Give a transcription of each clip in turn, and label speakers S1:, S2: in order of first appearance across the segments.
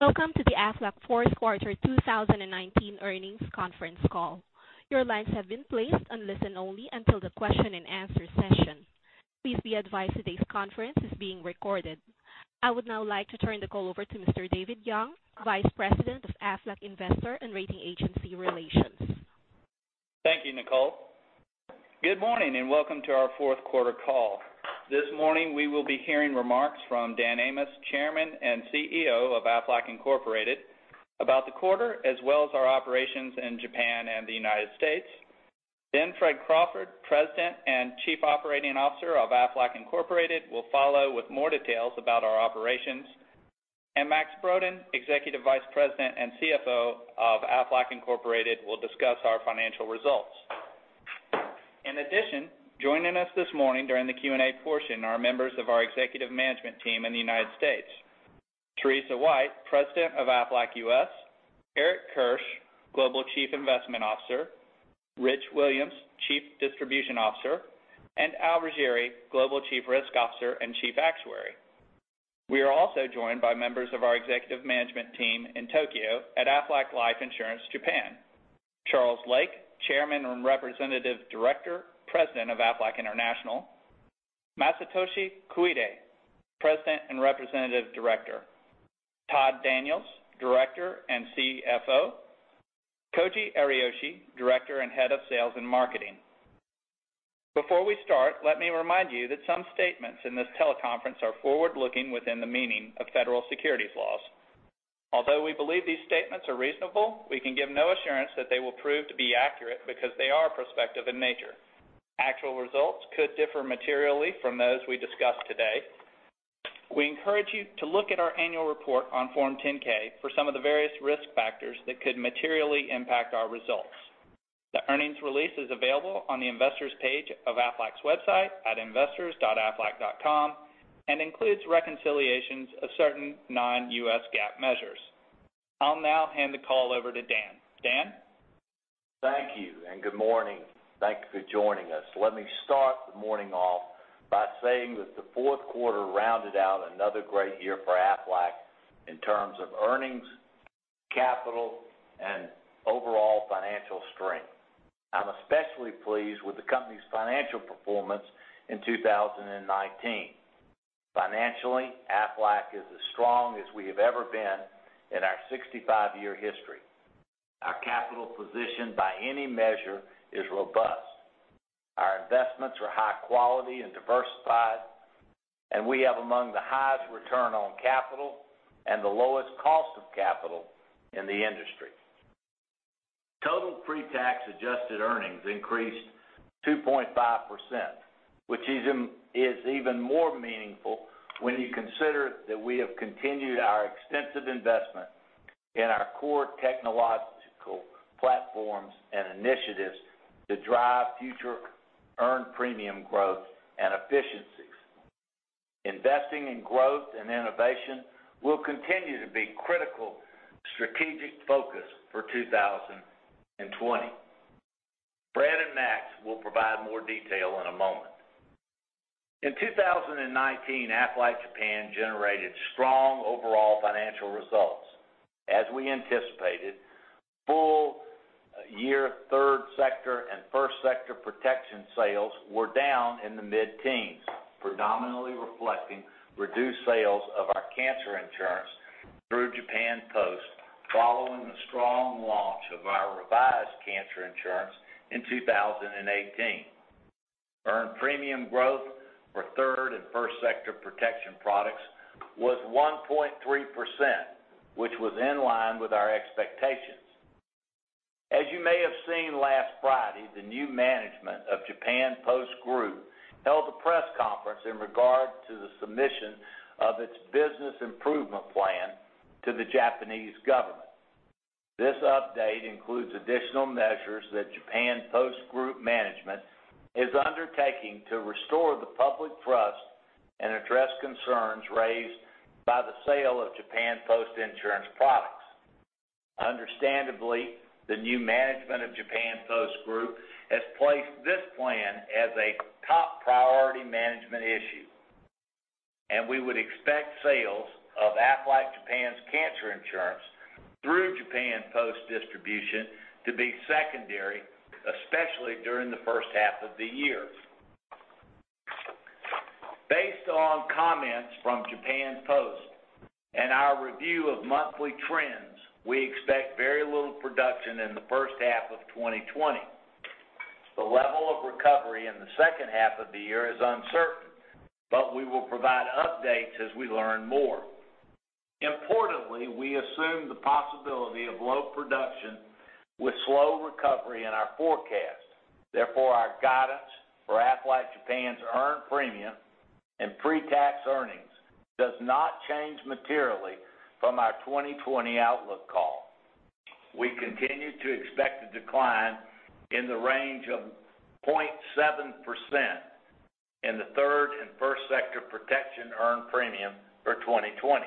S1: Welcome to the Aflac fourth quarter 2019 earnings conference call. Your lines have been placed on listen only until the question and answer session. Please be advised today's conference is being recorded. I would now like to turn the call over to Mr. David Young, Vice President of Aflac Investor and Rating Agency Relations.
S2: Thank you, Nicole. Good morning. Welcome to our fourth quarter call. This morning, we will be hearing remarks from Dan Amos, Chairman and CEO of Aflac Incorporated, about the quarter as well as our operations in Japan and the U.S. Fred Crawford, President and Chief Operating Officer of Aflac Incorporated will follow with more details about our operations. Max K. Brodén, Executive Vice President and CFO of Aflac Incorporated will discuss our financial results. In addition, joining us this morning during the Q&A portion are members of our executive management team in the U.S. Teresa White, President of Aflac U.S., Eric Kirsch, Global Chief Investment Officer, Rich Williams, Chief Distribution Officer, and Al Ruggieri, Global Chief Risk Officer and Chief Actuary. We are also joined by members of our executive management team in Tokyo at Aflac Life Insurance Japan. Charles Lake, Chairman and Representative Director, President of Aflac International, Masatoshi Koide, President and Representative Director, Todd Daniels, Director and CFO, Koji Ariyoshi, Director and Head of Sales and Marketing. Before we start, let me remind you that some statements in this teleconference are forward-looking within the meaning of federal securities laws. Although we believe these statements are reasonable, we can give no assurance that they will prove to be accurate because they are prospective in nature. Actual results could differ materially from those we discuss today. We encourage you to look at our annual report on Form 10-K for some of the various risk factors that could materially impact our results. The earnings release is available on the investors page of Aflac's website at investors.aflac.com and includes reconciliations of certain non-U.S. GAAP measures. I'll now hand the call over to Dan. Dan?
S3: Thank you. Good morning. Thank you for joining us. Let me start the morning off by saying that the fourth quarter rounded out another great year for Aflac in terms of earnings, capital, and overall financial strength. I'm especially pleased with the company's financial performance in 2019. Financially, Aflac is as strong as we have ever been in our 65-year history. Our capital position by any measure is robust. Our investments are high quality and diversified. We have among the highest return on capital and the lowest cost of capital in the industry. Total pre-tax adjusted earnings increased 2.5%, which is even more meaningful when you consider that we have continued our extensive investment in our core technological platforms and initiatives to drive future earned premium growth and efficiencies. Investing in growth and innovation will continue to be critical strategic focus for 2020. Fred and Max will provide more detail in a moment. In 2019, Aflac Japan generated strong overall financial results. As we anticipated, full year third sector and first sector protection sales were down in the mid-teens, predominantly reflecting reduced sales of our cancer insurance through Japan Post following the strong launch of our revised cancer insurance in 2018. Earned premium growth for third and first sector protection products was 1.3%, which was in line with our expectations. As you may have seen last Friday, the new management of Japan Post Group held a press conference in regard to the submission of its business improvement plan to the Japanese government. This update includes additional measures that Japan Post Group management is undertaking to restore the public trust and address concerns raised by the sale of Japan Post insurance products. Understandably, the new management of Japan Post Group has placed this plan as a top priority management issue. We would expect sales of Aflac Japan's cancer insurance through Japan Post distribution to be secondary, especially during the first half of the year. Based on comments from Japan Post and our review of monthly trends, we expect very little production in the first half of 2020. The level of recovery in the second half of the year is uncertain. We will provide updates as we learn more. Importantly, we assume the possibility of low production with slow recovery in our forecast. Therefore, our guidance for Aflac Japan's earned premium and pre-tax earnings does not change materially from our 2020 outlook call. We continue to expect a decline in the range of 0.7% in the third and first sector protection earned premium for 2020.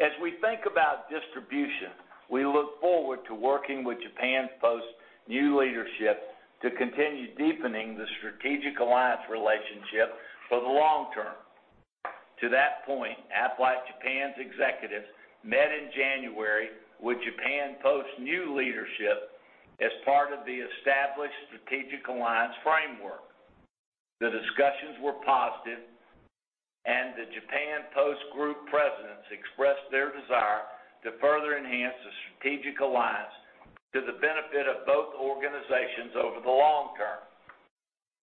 S3: As we think about distribution, we look forward to working with Japan Post new leadership to continue deepening the strategic alliance relationship for the long term. To that point, Aflac Japan's executives met in January with Japan Post new leadership as part of the established strategic alliance framework. The discussions were positive. The Japan Post Group presidents expressed their desire to further enhance the strategic alliance to the benefit of both organizations over the long term.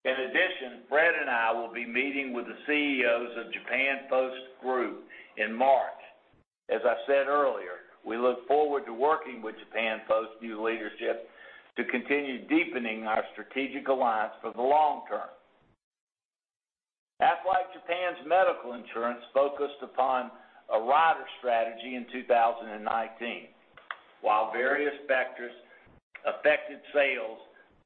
S3: In addition, Fred and I will be meeting with the CEOs of Japan Post Group in March. As I said earlier, we look forward to working with Japan Post new leadership to continue deepening our strategic alliance for the long term. Aflac Japan's medical insurance focused upon a rider strategy in 2019. While various factors affected sales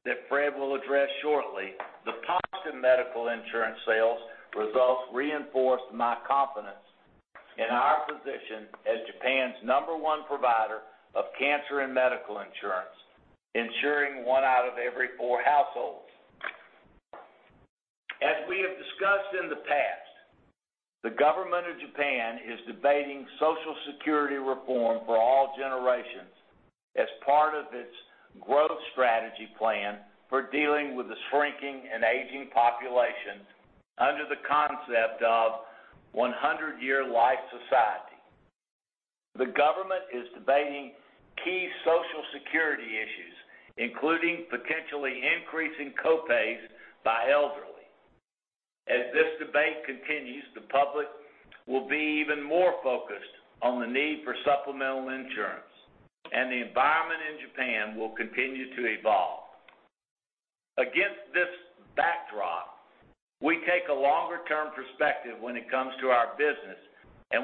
S3: that Fred will address shortly, the positive medical insurance sales results reinforced my confidence in our position as Japan's number one provider of cancer and medical insurance, ensuring one out of every four households. As we have discussed in the past, the government of Japan is debating Social Security reform for all generations as part of its growth strategy plan for dealing with the shrinking and aging population under the concept of 100-year life society. The government is debating key Social Security issues, including potentially increasing co-pays by elderly. As this debate continues, the public will be even more focused on the need for supplemental insurance. The environment in Japan will continue to evolve. Against this backdrop, we take a longer-term perspective when it comes to our business.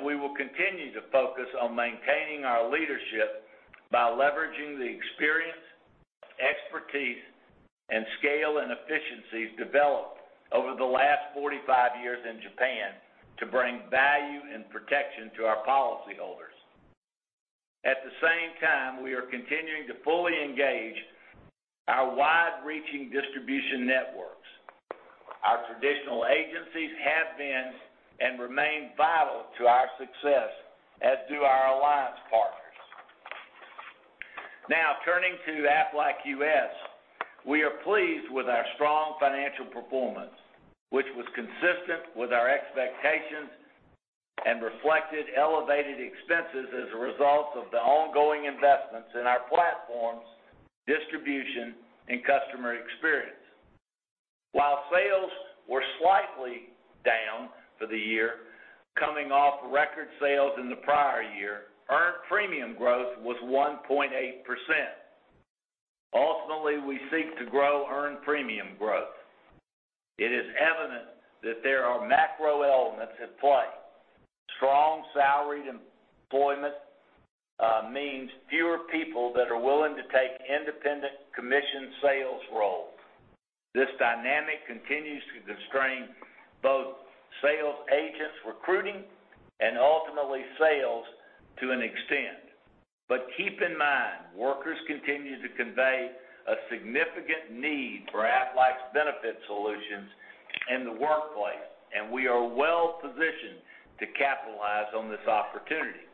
S3: We will continue to focus on maintaining our leadership by leveraging the experience, expertise, and scale and efficiencies developed over the last 45 years in Japan to bring value and protection to our policyholders. At the same time, we are continuing to fully engage our wide-reaching distribution networks. Our traditional agencies have been and remain vital to our success, as do our alliance partners. Turning to Aflac U.S., we are pleased with our strong financial performance, which was consistent with our expectations and reflected elevated expenses as a result of the ongoing investments in our platforms, distribution, and customer experience. While sales were slightly down for the year, coming off record sales in the prior year, earned premium growth was 1.8%. Ultimately, we seek to grow earned premium growth. It is evident that there are macro elements at play. Strong salaried employment means fewer people that are willing to take independent commission sales roles. This dynamic continues to constrain both sales agents recruiting and ultimately sales to an extent. Keep in mind, workers continue to convey a significant need for Aflac's benefit solutions in the workplace. We are well-positioned to capitalize on this opportunity.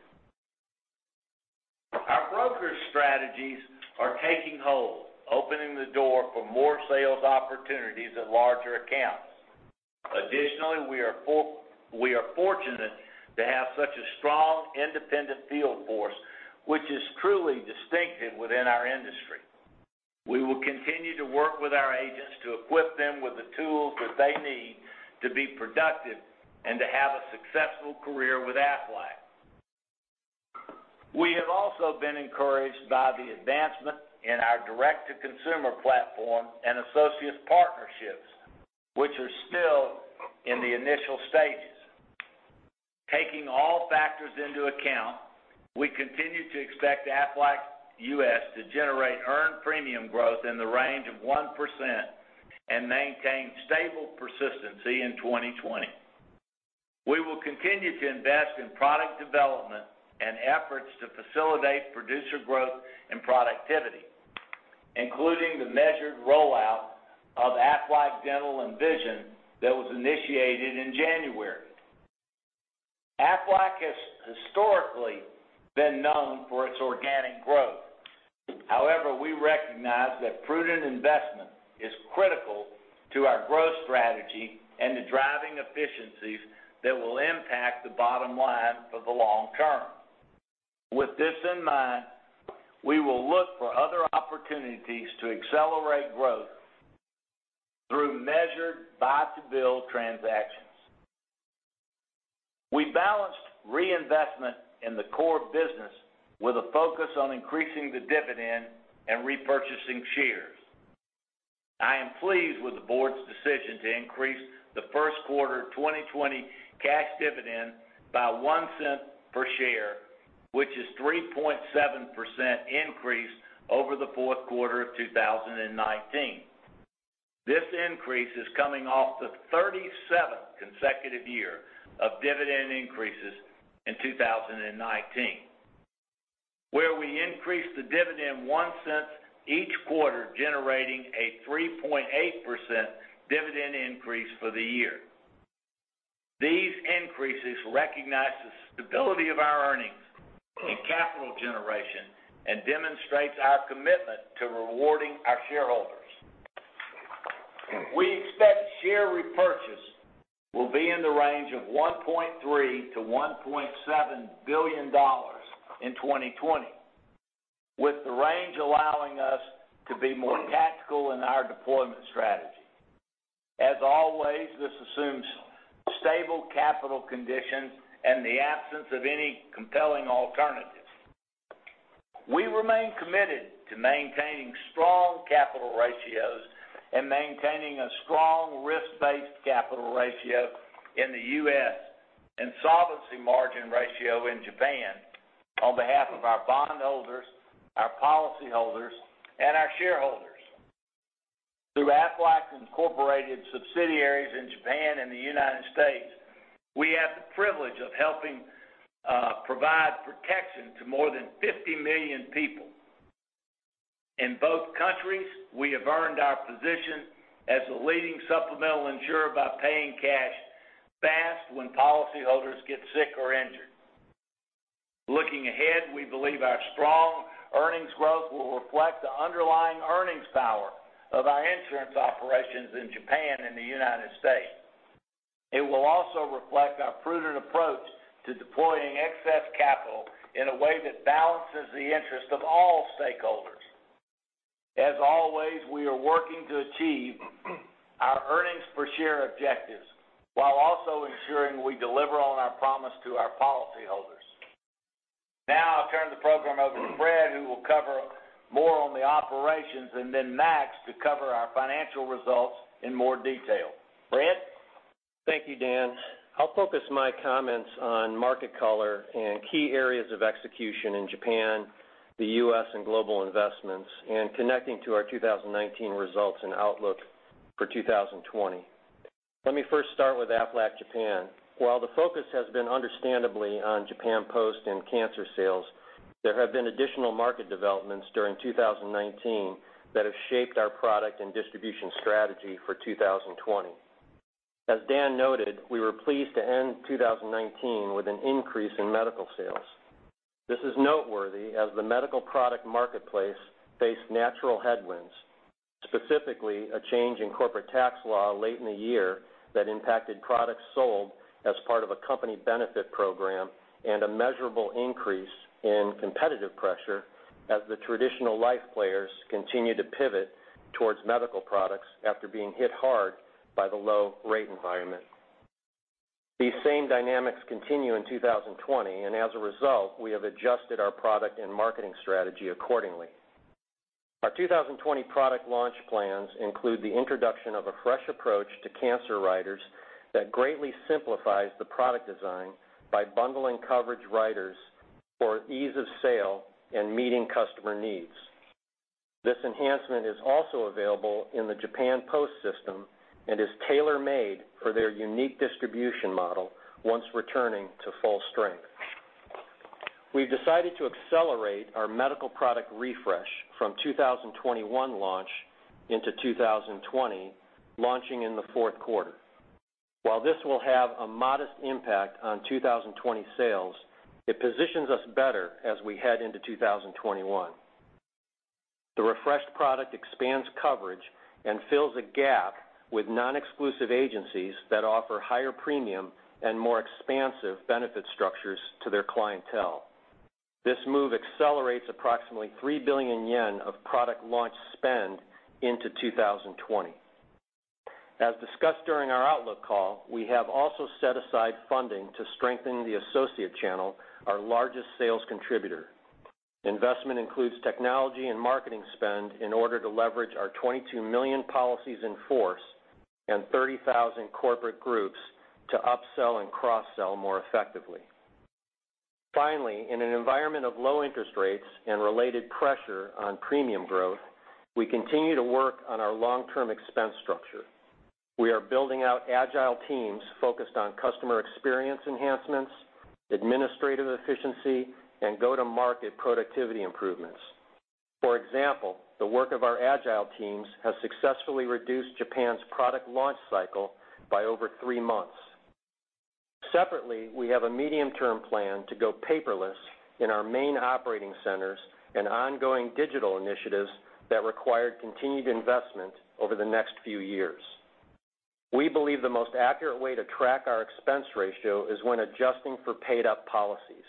S3: Our broker strategies are taking hold, opening the door for more sales opportunities at larger accounts. Additionally, we are fortunate to have such a strong independent field force, which is truly distinctive within our industry. We will continue to work with our agents to equip them with the tools that they need to be productive and to have a successful career with Aflac. We have also been encouraged by the advancement in our direct-to-consumer platform and associates partnerships, which are still in the initial stages. Taking all factors into account, we continue to expect Aflac U.S. to generate earned premium growth in the range of 1% and maintain stable persistency in 2020. We will continue to invest in product development and efforts to facilitate producer growth and productivity, including the measured rollout of Aflac Dental and Vision that was initiated in January. Aflac has historically been known for its organic growth. We recognize that prudent investment is critical to our growth strategy and to driving efficiencies that will impact the bottom line for the long term. With this in mind, we will look for other opportunities to accelerate growth through measured buy-and-build transactions. We balanced reinvestment in the core business with a focus on increasing the dividend and repurchasing shares. I am pleased with the board's decision to increase the first quarter 2020 cash dividend by $0.01 per share, which is 3.7% increase over the fourth quarter of 2019. This increase is coming off the 37th consecutive year of dividend increases in 2019. We increased the dividend $0.01 each quarter, generating a 3.8% dividend increase for the year. These increases recognize the stability of our earnings and capital generation and demonstrates our commitment to rewarding our shareholders. We expect share repurchase will be in the range of $1.3 billion-$1.7 billion in 2020, with the range allowing us to be more tactical in our deployment strategy. As always, this assumes stable capital conditions and the absence of any compelling alternatives. We remain committed to maintaining strong capital ratios and maintaining a strong risk-based capital ratio in the U.S. and solvency margin ratio in Japan on behalf of our bondholders, our policyholders, and our shareholders. Through Aflac Incorporated subsidiaries in Japan and the United States, we have the privilege of helping provide protection to more than 50 million people. In both countries, we have earned our position as the leading supplemental insurer by paying cash fast when policyholders get sick or injured. Looking ahead, we believe our strong earnings growth will reflect the underlying earnings power of our insurance operations in Japan and the United States. It will also reflect our prudent approach to deploying excess capital in a way that balances the interest of all stakeholders. As always, we are working to achieve our earnings per share objectives while also ensuring we deliver on our promise to our policyholders. I'll turn the program over to Fred, who will cover more on the operations, and then Max to cover our financial results in more detail. Fred?
S4: Thank you, Dan. I'll focus my comments on market color and key areas of execution in Japan, the U.S., and global investments, and connecting to our 2019 results and outlook for 2020. Let me first start with Aflac Japan. While the focus has been understandably on Japan Post and cancer sales, there have been additional market developments during 2019 that have shaped our product and distribution strategy for 2020. As Dan noted, we were pleased to end 2019 with an increase in medical sales. This is noteworthy as the medical product marketplace faced natural headwinds, specifically a change in corporate tax law late in the year that impacted products sold as part of a company benefit program and a measurable increase in competitive pressure as the traditional life players continue to pivot towards medical products after being hit hard by the low rate environment. These same dynamics continue in 2020. As a result, we have adjusted our product and marketing strategy accordingly. Our 2020 product launch plans include the introduction of a fresh approach to cancer riders that greatly simplifies the product design by bundling coverage riders for ease of sale and meeting customer needs. This enhancement is also available in the Japan Post system and is tailor-made for their unique distribution model once returning to full strength. We've decided to accelerate our medical product refresh from 2021 launch into 2020, launching in the fourth quarter. While this will have a modest impact on 2020 sales, it positions us better as we head into 2021. The refreshed product expands coverage and fills a gap with non-exclusive agencies that offer higher premium and more expansive benefit structures to their clientele. This move accelerates approximately 3 billion yen of product launch spend into 2020. As discussed during our outlook call, we have also set aside funding to strengthen the associate channel, our largest sales contributor. Investment includes technology and marketing spend in order to leverage our 22 million policies in force and 30,000 corporate groups to upsell and cross-sell more effectively. Finally, in an environment of low interest rates and related pressure on premium growth, we continue to work on our long-term expense structure. We are building out agile teams focused on customer experience enhancements, administrative efficiency, and go-to-market productivity improvements. For example, the work of our agile teams has successfully reduced Japan's product launch cycle by over three months. Separately, we have a medium-term plan to go paperless in our main operating centers and ongoing digital initiatives that require continued investment over the next few years. We believe the most accurate way to track our expense ratio is when adjusting for paid-up policies.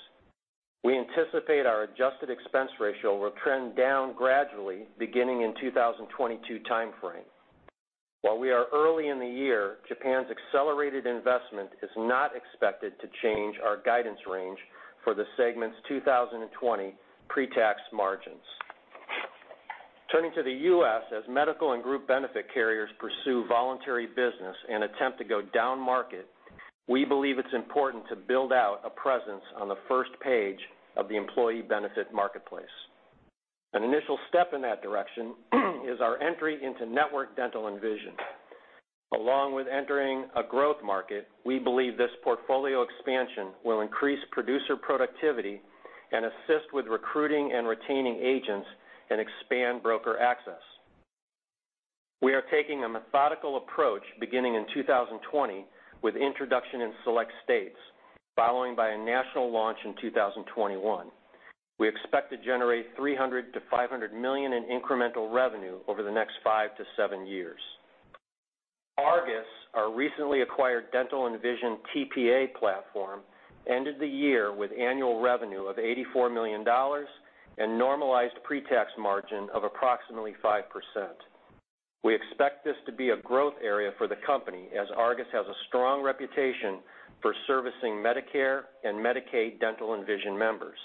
S4: We anticipate our adjusted expense ratio will trend down gradually beginning in 2022 timeframe. While we are early in the year, Japan's accelerated investment is not expected to change our guidance range for the segment's 2020 pre-tax margins. Turning to the U.S., as medical and group benefit carriers pursue voluntary business and attempt to go down market, we believe it's important to build out a presence on the first page of the employee benefit marketplace. An initial step in that direction is our entry into network dental and vision. Along with entering a growth market, we believe this portfolio expansion will increase producer productivity and assist with recruiting and retaining agents and expand broker access. We are taking a methodical approach beginning in 2020 with introduction in select states, following by a national launch in 2021. We expect to generate $300 million-$500 million in incremental revenue over the next five to seven years. Argus, our recently acquired dental and vision TPA platform, ended the year with annual revenue of $84 million and normalized pre-tax margin of approximately 5%. We expect this to be a growth area for the company as Argus has a strong reputation for servicing Medicare and Medicaid dental and vision members.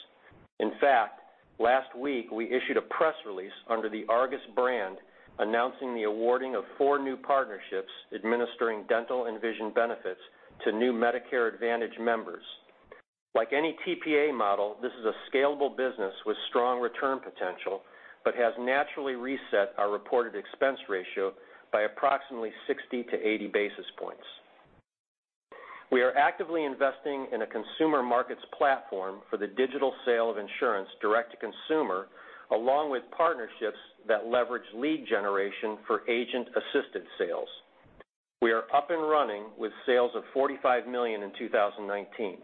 S4: In fact, last week we issued a press release under the Argus brand announcing the awarding of four new partnerships administering dental and vision benefits to new Medicare Advantage members. Like any TPA model, this is a scalable business with strong return potential but has naturally reset our reported expense ratio by approximately 60 to 80 basis points. We are actively investing in a consumer markets platform for the digital sale of insurance direct to consumer, along with partnerships that leverage lead generation for agent-assisted sales. We are up and running with sales of $45 million in 2019.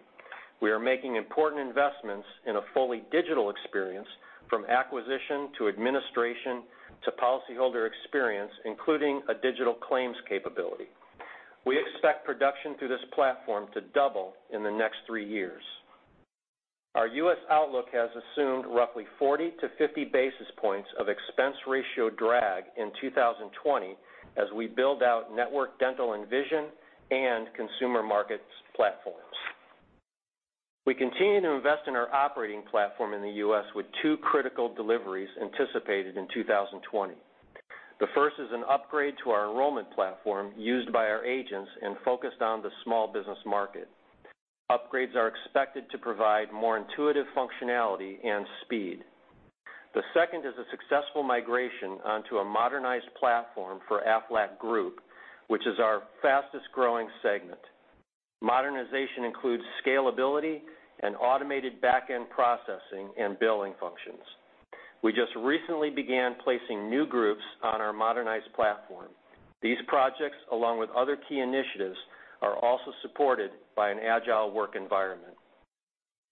S4: We are making important investments in a fully digital experience from acquisition to administration to policyholder experience, including a digital claims capability. We expect production through this platform to double in the next three years. Our U.S. outlook has assumed roughly 40 to 50 basis points of expense ratio drag in 2020 as we build out network dental and vision and consumer markets platforms. We continue to invest in our operating platform in the U.S. with two critical deliveries anticipated in 2020. The first is an upgrade to our enrollment platform used by our agents and focused on the small business market. Upgrades are expected to provide more intuitive functionality and speed. The second is a successful migration onto a modernized platform for Aflac Group, which is our fastest-growing segment. Modernization includes scalability and automated back-end processing and billing functions. We just recently began placing new groups on our modernized platform. These projects, along with other key initiatives, are also supported by an agile work environment.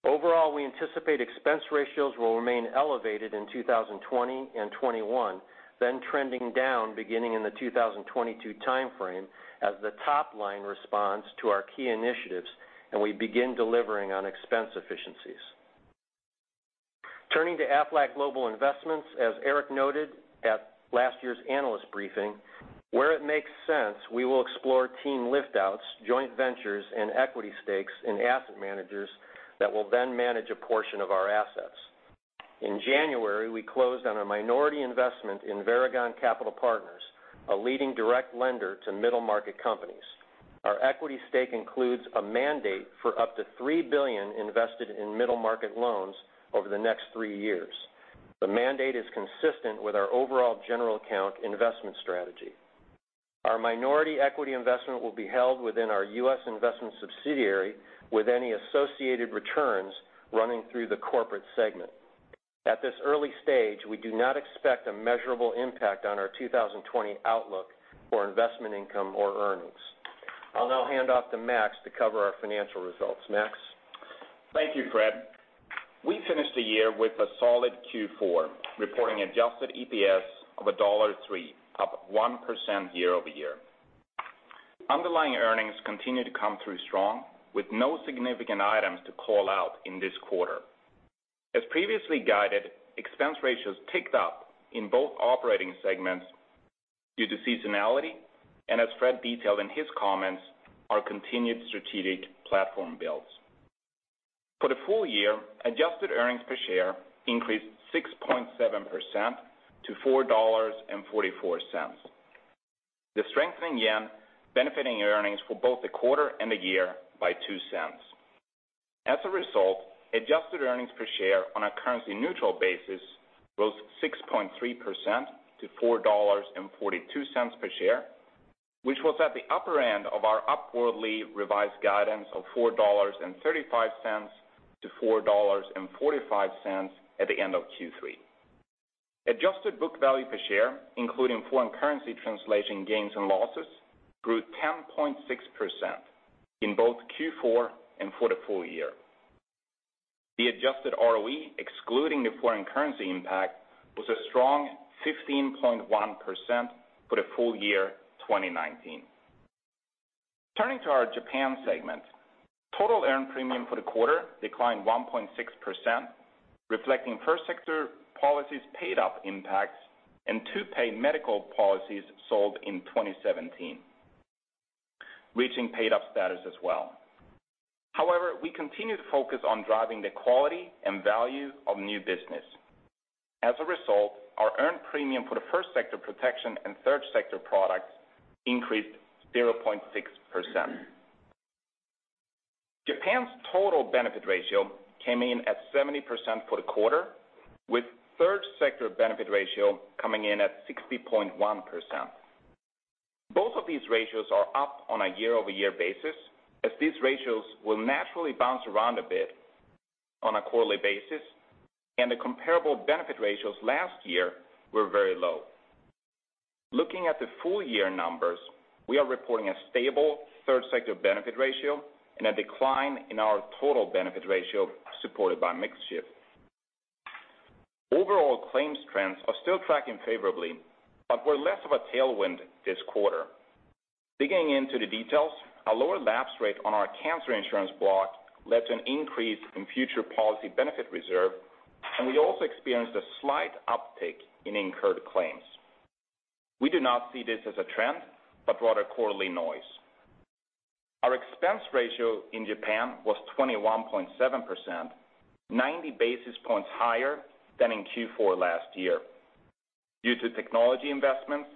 S4: Overall, we anticipate expense ratios will remain elevated in 2020 and 2021, then trending down beginning in the 2022 timeframe as the top line responds to our key initiatives and we begin delivering on expense efficiencies. Turning to Aflac Global Investments, as Eric noted at last year's analyst briefing, where it makes sense, we will explore team lift-outs, joint ventures, and equity stakes in asset managers that will then manage a portion of our assets. In January, we closed on a minority investment in Varagon Capital Partners, a leading direct lender to middle-market companies. Our equity stake includes a mandate for up to $3 billion invested in middle-market loans over the next three years. The mandate is consistent with our overall general account investment strategy. Our minority equity investment will be held within our U.S. investment subsidiary with any associated returns running through the corporate segment. At this early stage, we do not expect a measurable impact on our 2020 outlook for investment income or earnings. I'll now hand off to Max to cover our financial results. Max?
S5: Thank you, Fred. We finished the year with a solid Q4, reporting adjusted EPS of $1.03, up 1% year-over-year. Underlying earnings continued to come through strong with no significant items to call out in this quarter. As previously guided, expense ratios ticked up in both operating segments due to seasonality, and as Fred detailed in his comments, our continued strategic platform builds. For the full year, adjusted earnings per share increased 6.7% to $4.44. The strengthening yen benefiting earnings for both the quarter and the year by $0.02. As a result, adjusted earnings per share on a currency-neutral basis rose 6.3% to $4.42 per share, which was at the upper end of our upwardly revised guidance of $4.35-$4.45 at the end of Q3. Adjusted book value per share, including foreign currency translation gains and losses, grew 10.6% in both Q4 and for the full year. The adjusted ROE, excluding the foreign currency impact, was a strong 15.1% for the full year 2019. Turning to our Japan segment. Total earned premium for the quarter declined 1.6%, reflecting first sector policies paid-up impacts and two paid medical policies sold in 2017, reaching paid-up status as well. However, we continue to focus on driving the quality and value of new business. As a result, our earned premium for the first sector protection and third sector products increased 0.6%. Japan's total benefit ratio came in at 70% for the quarter, with third sector benefit ratio coming in at 60.1%. Both of these ratios are up on a year-over-year basis, as these ratios will naturally bounce around a bit on a quarterly basis, and the comparable benefit ratios last year were very low. Looking at the full year numbers, we are reporting a stable third sector benefit ratio and a decline in our total benefit ratio supported by mix shift. Overall claims trends are still tracking favorably, but were less of a tailwind this quarter. Digging into the details, a lower lapse rate on our cancer insurance block led to an increase in future policy benefit reserve, and we also experienced a slight uptick in incurred claims. We do not see this as a trend, but rather quarterly noise. Our expense ratio in Japan was 21.7%, 90 basis points higher than in Q4 last year due to technology investments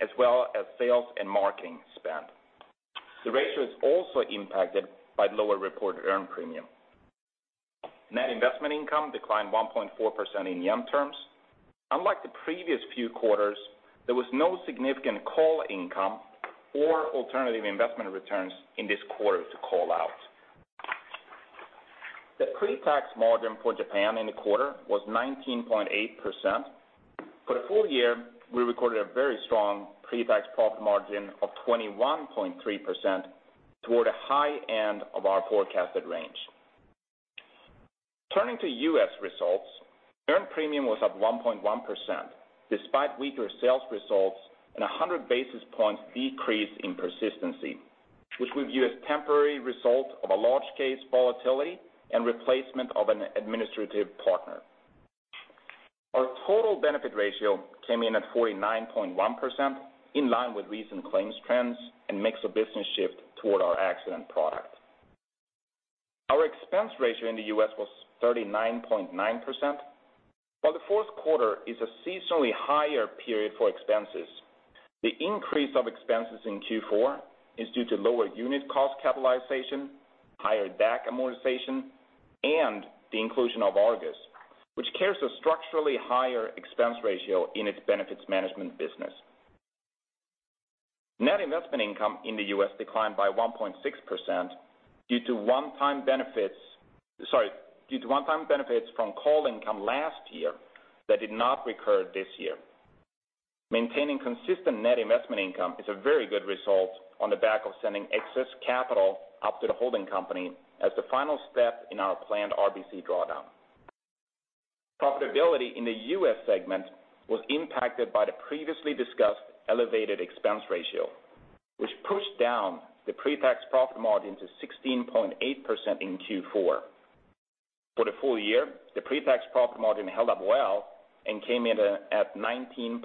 S5: as well as sales and marketing spend. The ratio is also impacted by lower reported earned premium. Net investment income declined 1.4% in JPY terms. Unlike the previous few quarters, there was no significant call income or alternative investment returns in this quarter to call out. The pre-tax margin for Japan in the quarter was 19.8%. For the full year, we recorded a very strong pre-tax profit margin of 21.3% toward a high end of our forecasted range. Turning to U.S. results, earned premium was up 1.1%, despite weaker sales results and 100 basis points decrease in persistency, which we view as temporary result of a large case volatility and replacement of an administrative partner. Our total benefit ratio came in at 49.1%, in line with recent claims trends and mix of business shift toward our accident product. Our expense ratio in the U.S. was 39.9%, while the fourth quarter is a seasonally higher period for expenses. The increase of expenses in Q4 is due to lower unit cost capitalization, higher DAC amortization, and the inclusion of Argus, which carries a structurally higher expense ratio in its benefits management business. Net investment income in the U.S. declined by 1.6% due to one-time benefits from call income last year that did not recur this year. Maintaining consistent net investment income is a very good result on the back of sending excess capital up to the holding company as the final step in our planned RBC drawdown. Profitability in the U.S. segment was impacted by the previously discussed elevated expense ratio, which pushed down the pre-tax profit margin to 16.8% in Q4. For the full year, the pre-tax profit margin held up well and came in at 19.4%.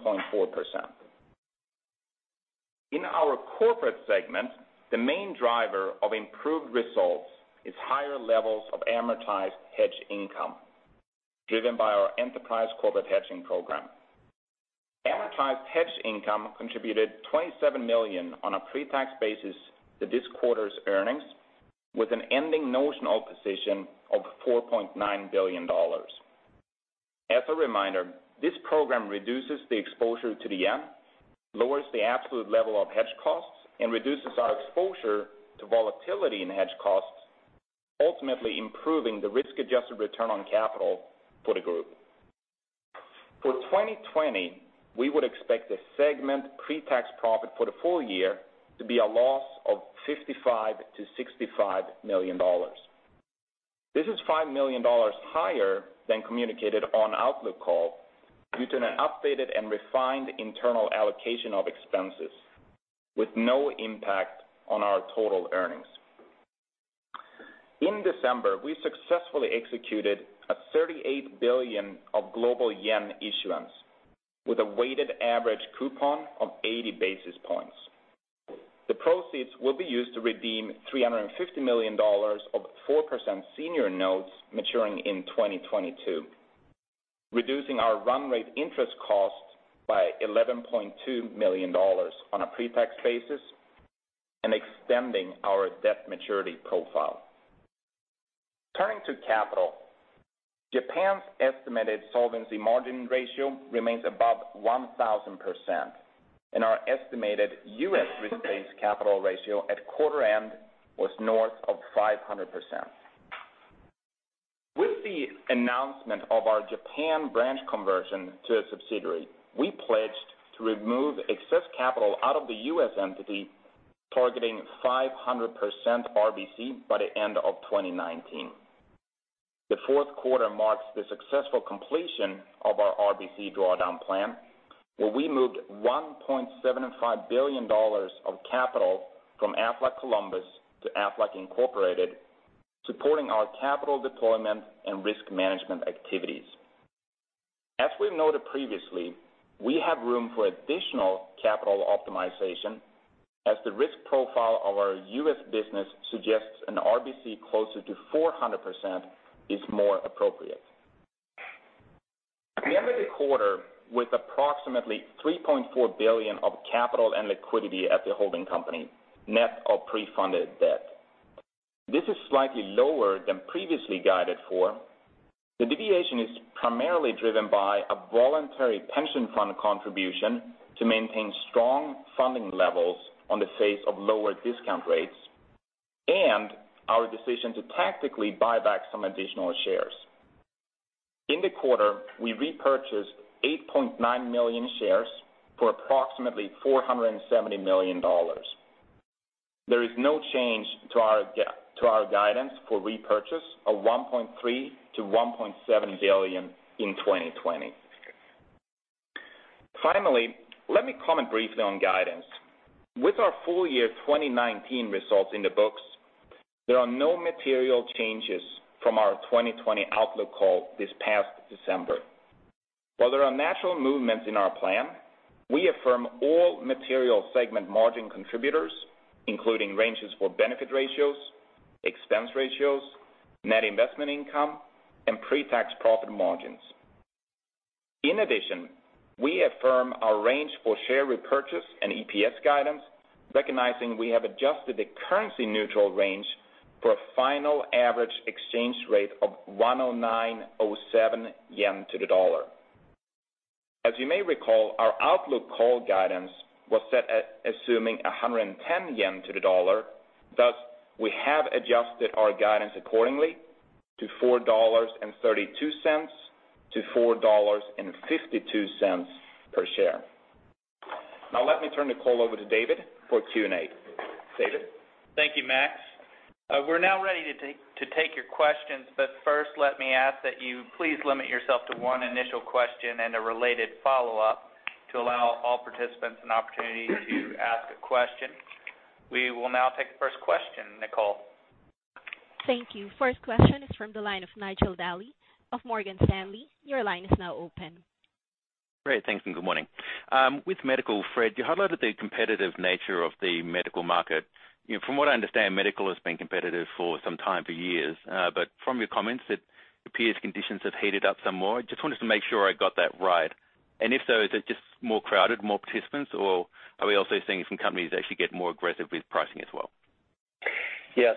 S5: In our corporate segment, the main driver of improved results is higher levels of amortized hedge income, driven by our enterprise corporate hedging program. Amortized hedge income contributed $27 million on a pre-tax basis to this quarter's earnings, with an ending notional position of $4.9 billion. As a reminder, this program reduces the exposure to the JPY, lowers the absolute level of hedge costs, and reduces our exposure to volatility in hedge costs, ultimately improving the risk-adjusted return on capital for the group. For 2020, we would expect the segment pre-tax profit for the full year to be a loss of $55 million-$65 million. This is $5 million higher than communicated on outlook call due to an updated and refined internal allocation of expenses with no impact on our total earnings. In December, we successfully executed a 38 billion of global yen issuance with a weighted average coupon of 80 basis points. The proceeds will be used to redeem $350 million of 4% senior notes maturing in 2022, reducing our run rate interest cost by $11.2 million on a pre-tax basis and extending our debt maturity profile. Turning to capital, Japan's estimated solvency margin ratio remains above 1,000%, and our estimated U.S. risk-based capital ratio at quarter end was north of 500%. With the announcement of our Japan branch conversion to a subsidiary, we pledged to remove excess capital out of the U.S. entity, targeting 500% RBC by the end of 2019. The fourth quarter marks the successful completion of our RBC drawdown plan, where we moved $1.75 billion of capital from Aflac Columbus to Aflac Incorporated, supporting our capital deployment and risk management activities. As we've noted previously, we have room for additional capital optimization as the risk profile of our U.S. business suggests an RBC closer to 400% is more appropriate. We ended the quarter with approximately $3.4 billion of capital and liquidity at the holding company, net of pre-funded debt. This is slightly lower than previously guided for. The deviation is primarily driven by a voluntary pension fund contribution to maintain strong funding levels on the face of lower discount rates and our decision to tactically buy back some additional shares. In the quarter, we repurchased 8.9 million shares for approximately $470 million. There is no change to our guidance for repurchase of $1.3 billion-$1.7 billion in 2020. Finally, let me comment briefly on guidance. With our full year 2019 results in the books, there are no material changes from our 2020 outlook call this past December. While there are natural movements in our plan, we affirm all material segment margin contributors, including ranges for benefit ratios, expense ratios, net investment income, and pre-tax profit margins. In addition, we affirm our range for share repurchase and EPS guidance, recognizing we have adjusted the currency neutral range for a final average exchange rate of 109.07 yen to the dollar. As you may recall, our outlook call guidance was set at assuming 110 yen to the dollar, thus, we have adjusted our guidance accordingly to $4.32-$4.52 per share. Now, let me turn the call over to David for Q&A. David?
S2: Thank you, Max. We're now ready to take your questions, but first let me ask that you please limit yourself to one initial question and a related follow-up to allow all participants an opportunity to ask a question. We will now take the first question, Nicole.
S1: Thank you. First question is from the line of Nigel Dally of Morgan Stanley. Your line is now open.
S6: Great. Thanks, good morning. With medical, Fred, you highlighted the competitive nature of the medical market. From what I understand, medical has been competitive for some time, for years. From your comments, it appears conditions have heated up some more. Just wanted to make sure I got that right. If so, is it just more crowded, more participants, or are we also seeing some companies actually get more aggressive with pricing as well?
S4: Yes.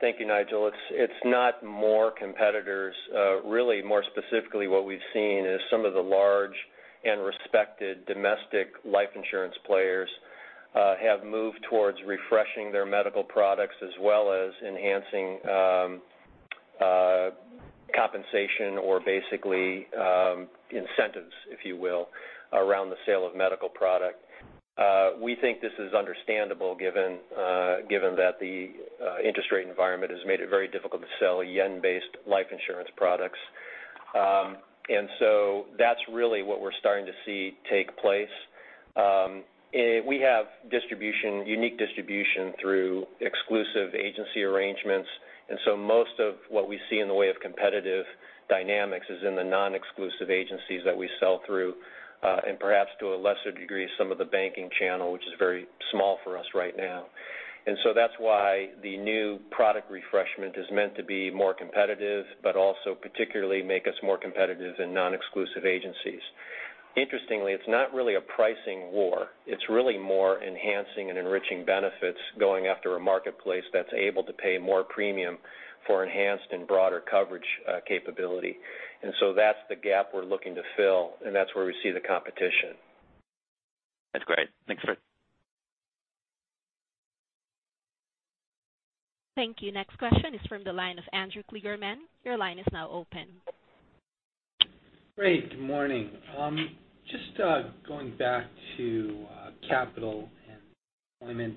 S4: Thank you, Nigel Dally. It's not more competitors. Really, more specifically, what we've seen is some of the large and respected domestic life insurance players have moved towards refreshing their medical products, as well as enhancing compensation or basically incentives, if you will, around the sale of medical product. We think this is understandable given that the interest rate environment has made it very difficult to sell yen-based life insurance products. That's really what we're starting to see take place. We have unique distribution through exclusive agency arrangements, most of what we see in the way of competitive dynamics is in the non-exclusive agencies that we sell through, and perhaps to a lesser degree, some of the banking channel, which is very small for us right now. That's why the new product refreshment is meant to be more competitive, but also particularly make us more competitive in non-exclusive agencies. Interestingly, it's not really a pricing war. It's really more enhancing and enriching benefits, going after a marketplace that's able to pay more premium for enhanced and broader coverage capability. That's the gap we're looking to fill, and that's where we see the competition.
S6: That's great. Thanks, Fred.
S1: Thank you. Next question is from the line of Andrew Kligerman. Your line is now open.
S7: Great. Good morning. Just going back to capital and employment.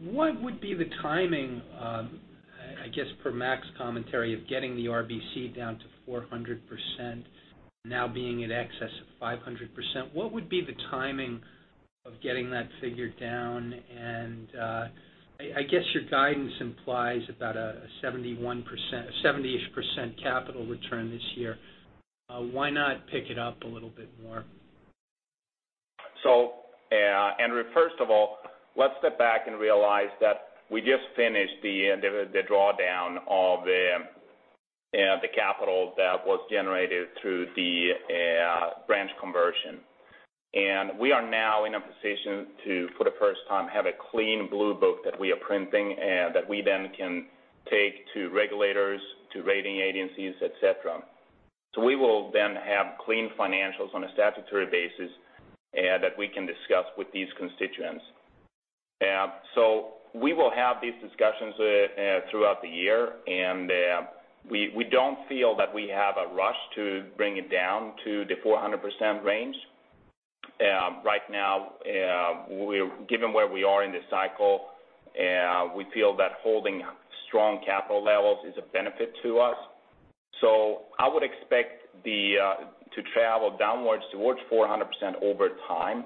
S7: What would be the timing, I guess per Max's commentary of getting the RBC down to 400%, now being in excess of 500%? What would be the timing of getting that figure down? I guess your guidance implies about a 70-ish% capital return this year. Why not pick it up a little bit more?
S5: Andrew, first of all, let's step back and realize that we just finished the drawdown of the capital that was generated through the branch conversion. We are now in a position to, for the first time, have a clean blue book that we are printing that we then can take to regulators, to rating agencies, et cetera. We will then have clean financials on a statutory basis that we can discuss with these constituents. We will have these discussions throughout the year, and we don't feel that we have a rush to bring it down to the 400% range. Right now, given where we are in this cycle, we feel that holding strong capital levels is a benefit to us. I would expect to travel downwards towards 400% over time.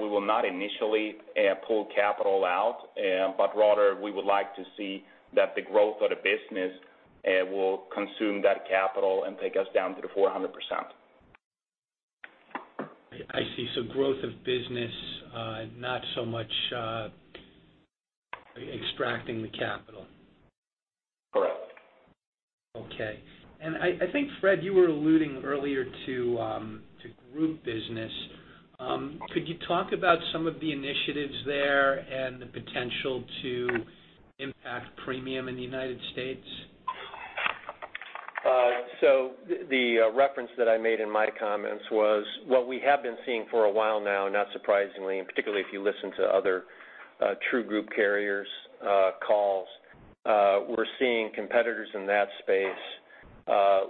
S5: We will not initially pull capital out, rather, we would like to see that the growth of the business will consume that capital and take us down to the 400%.
S7: I see. Growth of business, not so much extracting the capital. Okay. I think, Fred, you were alluding earlier to group business. Could you talk about some of the initiatives there and the potential to impact premium in the United States?
S4: The reference that I made in my comments was what we have been seeing for a while now, not surprisingly, particularly if you listen to other true group carriers' calls, we're seeing competitors in that space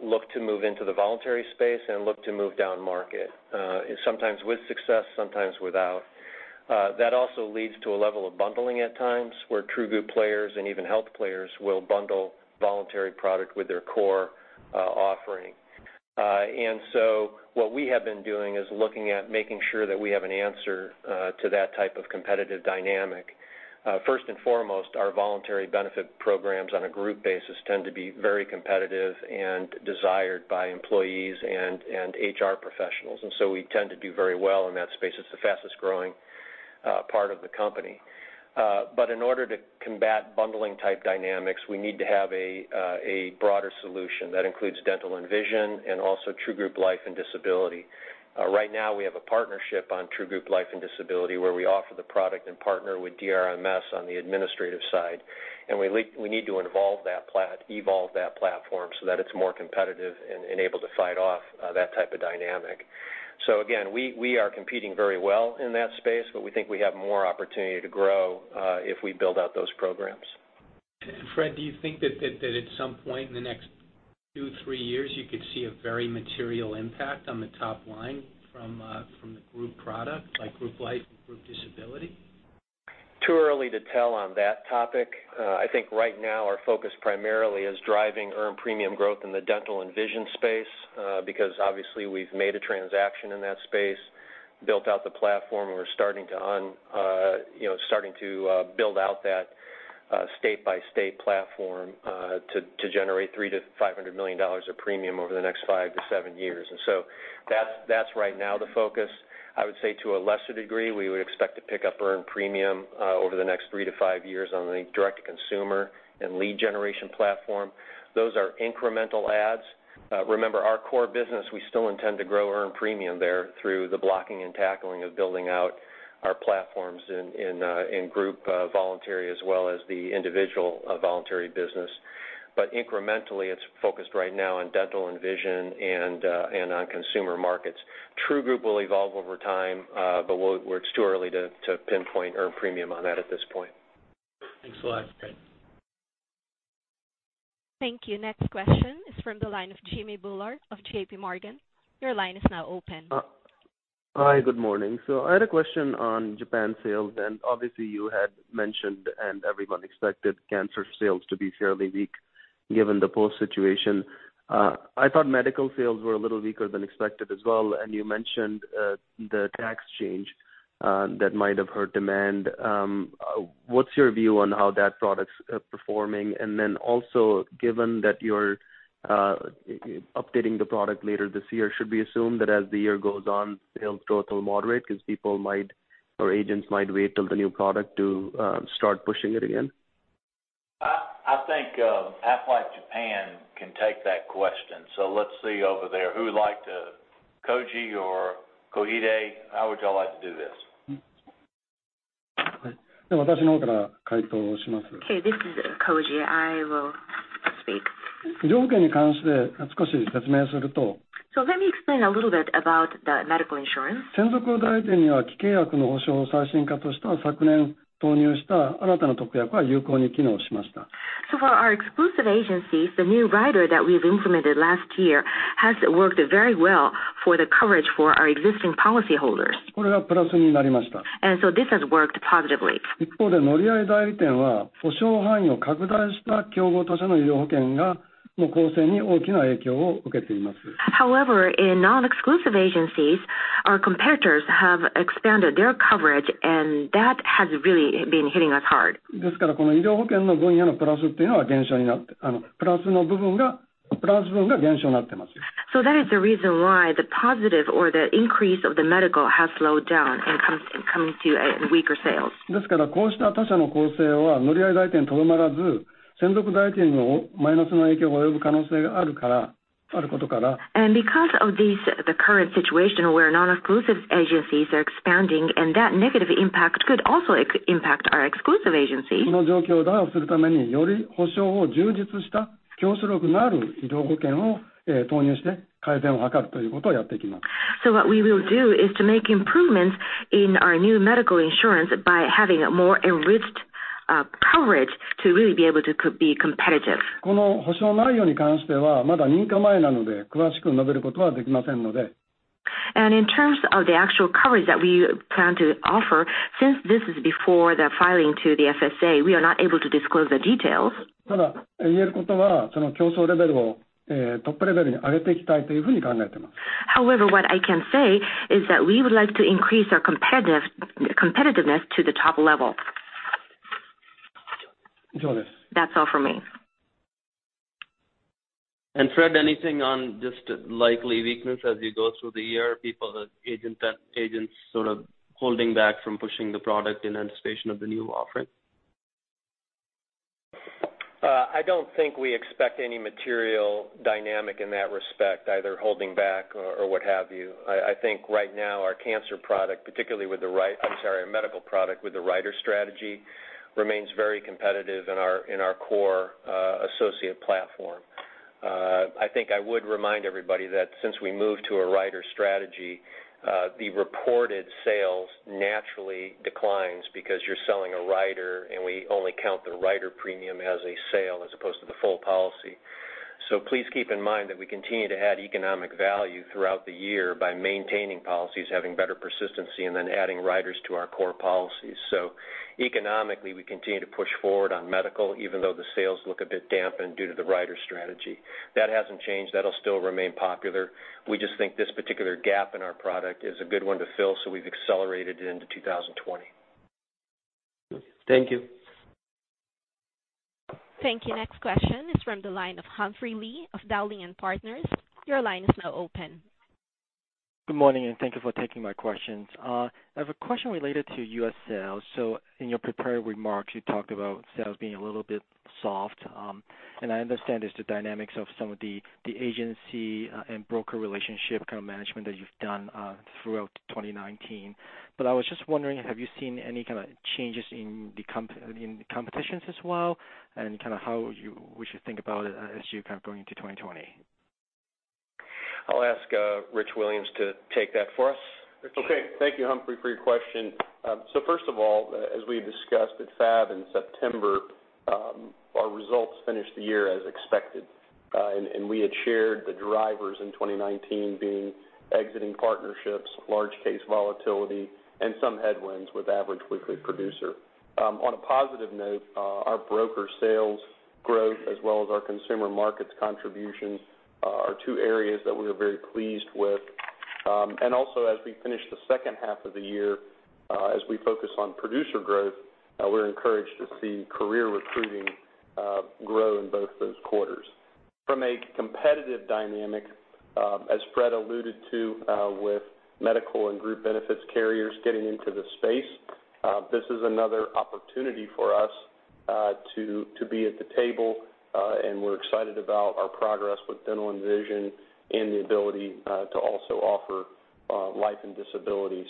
S4: look to move into the voluntary space and look to move down market, sometimes with success, sometimes without. That also leads to a level of bundling at times, where true group players and even health players will bundle voluntary product with their core offering. What we have been doing is looking at making sure that we have an answer to that type of competitive dynamic. First and foremost, our voluntary benefit programs on a group basis tend to be very competitive and desired by employees and HR professionals. We tend to do very well in that space. It's the fastest-growing part of the company. In order to combat bundling type dynamics, we need to have a broader solution that includes Aflac Dental and Vision and also true group life and disability. Right now, we have a partnership on true group life and disability, where we offer the product and partner with DRMS on the administrative side, we need to evolve that platform so that it's more competitive and able to fight off that type of dynamic. Again, we are competing very well in that space, we think we have more opportunity to grow if we build out those programs.
S7: Fred, do you think that at some point in the next two, three years, you could see a very material impact on the top line from the group product, like group life and group disability?
S4: Too early to tell on that topic. I think right now our focus primarily is driving earned premium growth in the dental and vision space because obviously, we've made a transaction in that space, built out the platform, and we're starting to build out that state-by-state platform to generate $300 million-$500 million of premium over the next five to seven years. That's right now the focus. I would say to a lesser degree, we would expect to pick up earned premium over the next three to five years on the direct-to-consumer and lead generation platform. Those are incremental adds. Remember, our core business, we still intend to grow earned premium there through the blocking and tackling of building out our platforms in group voluntary as well as the individual voluntary business. Incrementally, it's focused right now on dental and vision and on consumer markets. True group will evolve over time, it's too early to pinpoint earned premium on that at this point.
S7: Thanks a lot, Fred.
S1: Thank you. Next question is from the line of Jimmy Bhullar of J.P. Morgan. Your line is now open.
S8: Hi. Good morning. I had a question on Japan sales, obviously you had mentioned, everyone expected cancer sales to be fairly weak given the post situation. I thought medical sales were a little weaker than expected as well. You mentioned the tax change that might have hurt demand. What's your view on how that product's performing? Also, given that you're updating the product later this year, should we assume that as the year goes on, sales growth will moderate because people might or agents might wait till the new product to start pushing it again?
S3: I think Aflac Japan can take that question. Let's see over there, who would like to, Koji or Koide? How would y'all like to do this?
S9: This is Koji. I will speak. Let me explain a little bit about the medical insurance. For our exclusive agencies, the new rider that we've implemented last year has worked very well for the coverage for our existing policy holders. This has worked positively. However, in non-exclusive agencies, our competitors have expanded their coverage, that has really been hitting us hard. That is the reason why the positive or the increase of the medical has slowed down coming to weaker sales. Because of the current situation where non-exclusive agencies are expanding and that negative impact could also impact our exclusive agency. What we will do is to make improvements in our new medical insurance by having a more enriched coverage to really be able to be competitive. In terms of the actual coverage that we plan to offer, since this is before the filing to the FSA, we are not able to disclose the details. However, what I can say is that we would like to increase our competitiveness to the top level. That's all from me.
S8: Fred, anything on just likely weakness as you go through the year, people, agents sort of holding back from pushing the product in anticipation of the new offering?
S4: I don't think we expect any material dynamic in that respect, either holding back or what have you. I think right now, our medical product, particularly with the rider strategy, remains very competitive in our core associate platform. I think I would remind everybody that since we moved to a rider strategy, the reported sales naturally declines because you're selling a rider, and we only count the rider premium as a sale as opposed to the full policy. Please keep in mind that we continue to add economic value throughout the year by maintaining policies, having better persistency, and then adding riders to our core policies. Economically, we continue to push forward on medical, even though the sales look a bit dampened due to the rider strategy. That hasn't changed. That'll still remain popular. We just think this particular gap in our product is a good one to fill, so we've accelerated it into 2020.
S8: Thank you.
S1: Thank you. Next question is from the line of Humphrey Lee of Dowling & Partners. Your line is now open.
S10: Good morning, thank you for taking my questions. I have a question related to U.S. sales. In your prepared remarks, you talked about sales being a little bit soft. I understand it's the dynamics of some of the agency and broker relationship kind of management that you've done throughout 2019. I was just wondering, have you seen any kind of changes in the competitions as well? Kind of how we should think about it as you kind of going into 2020?
S4: I'll ask Rich Williams to take that for us. Rich?
S11: Okay. Thank you, Humphrey, for your question. First of all, as we discussed at FAB in September, our results finished the year as expected. We had shared the drivers in 2019 being exiting partnerships, large case volatility, and some headwinds with average weekly production. On a positive note, our broker sales growth as well as our consumer markets contributions are two areas that we are very pleased with. Also, as we finish the second half of the year, as we focus on producer growth, we're encouraged to see career recruiting grow in both those quarters. From a competitive dynamic, as Fred alluded to with medical and group benefits carriers getting into the space, this is another opportunity for us to be at the table, and we're excited about our progress with dental and vision and the ability to also offer life and disability.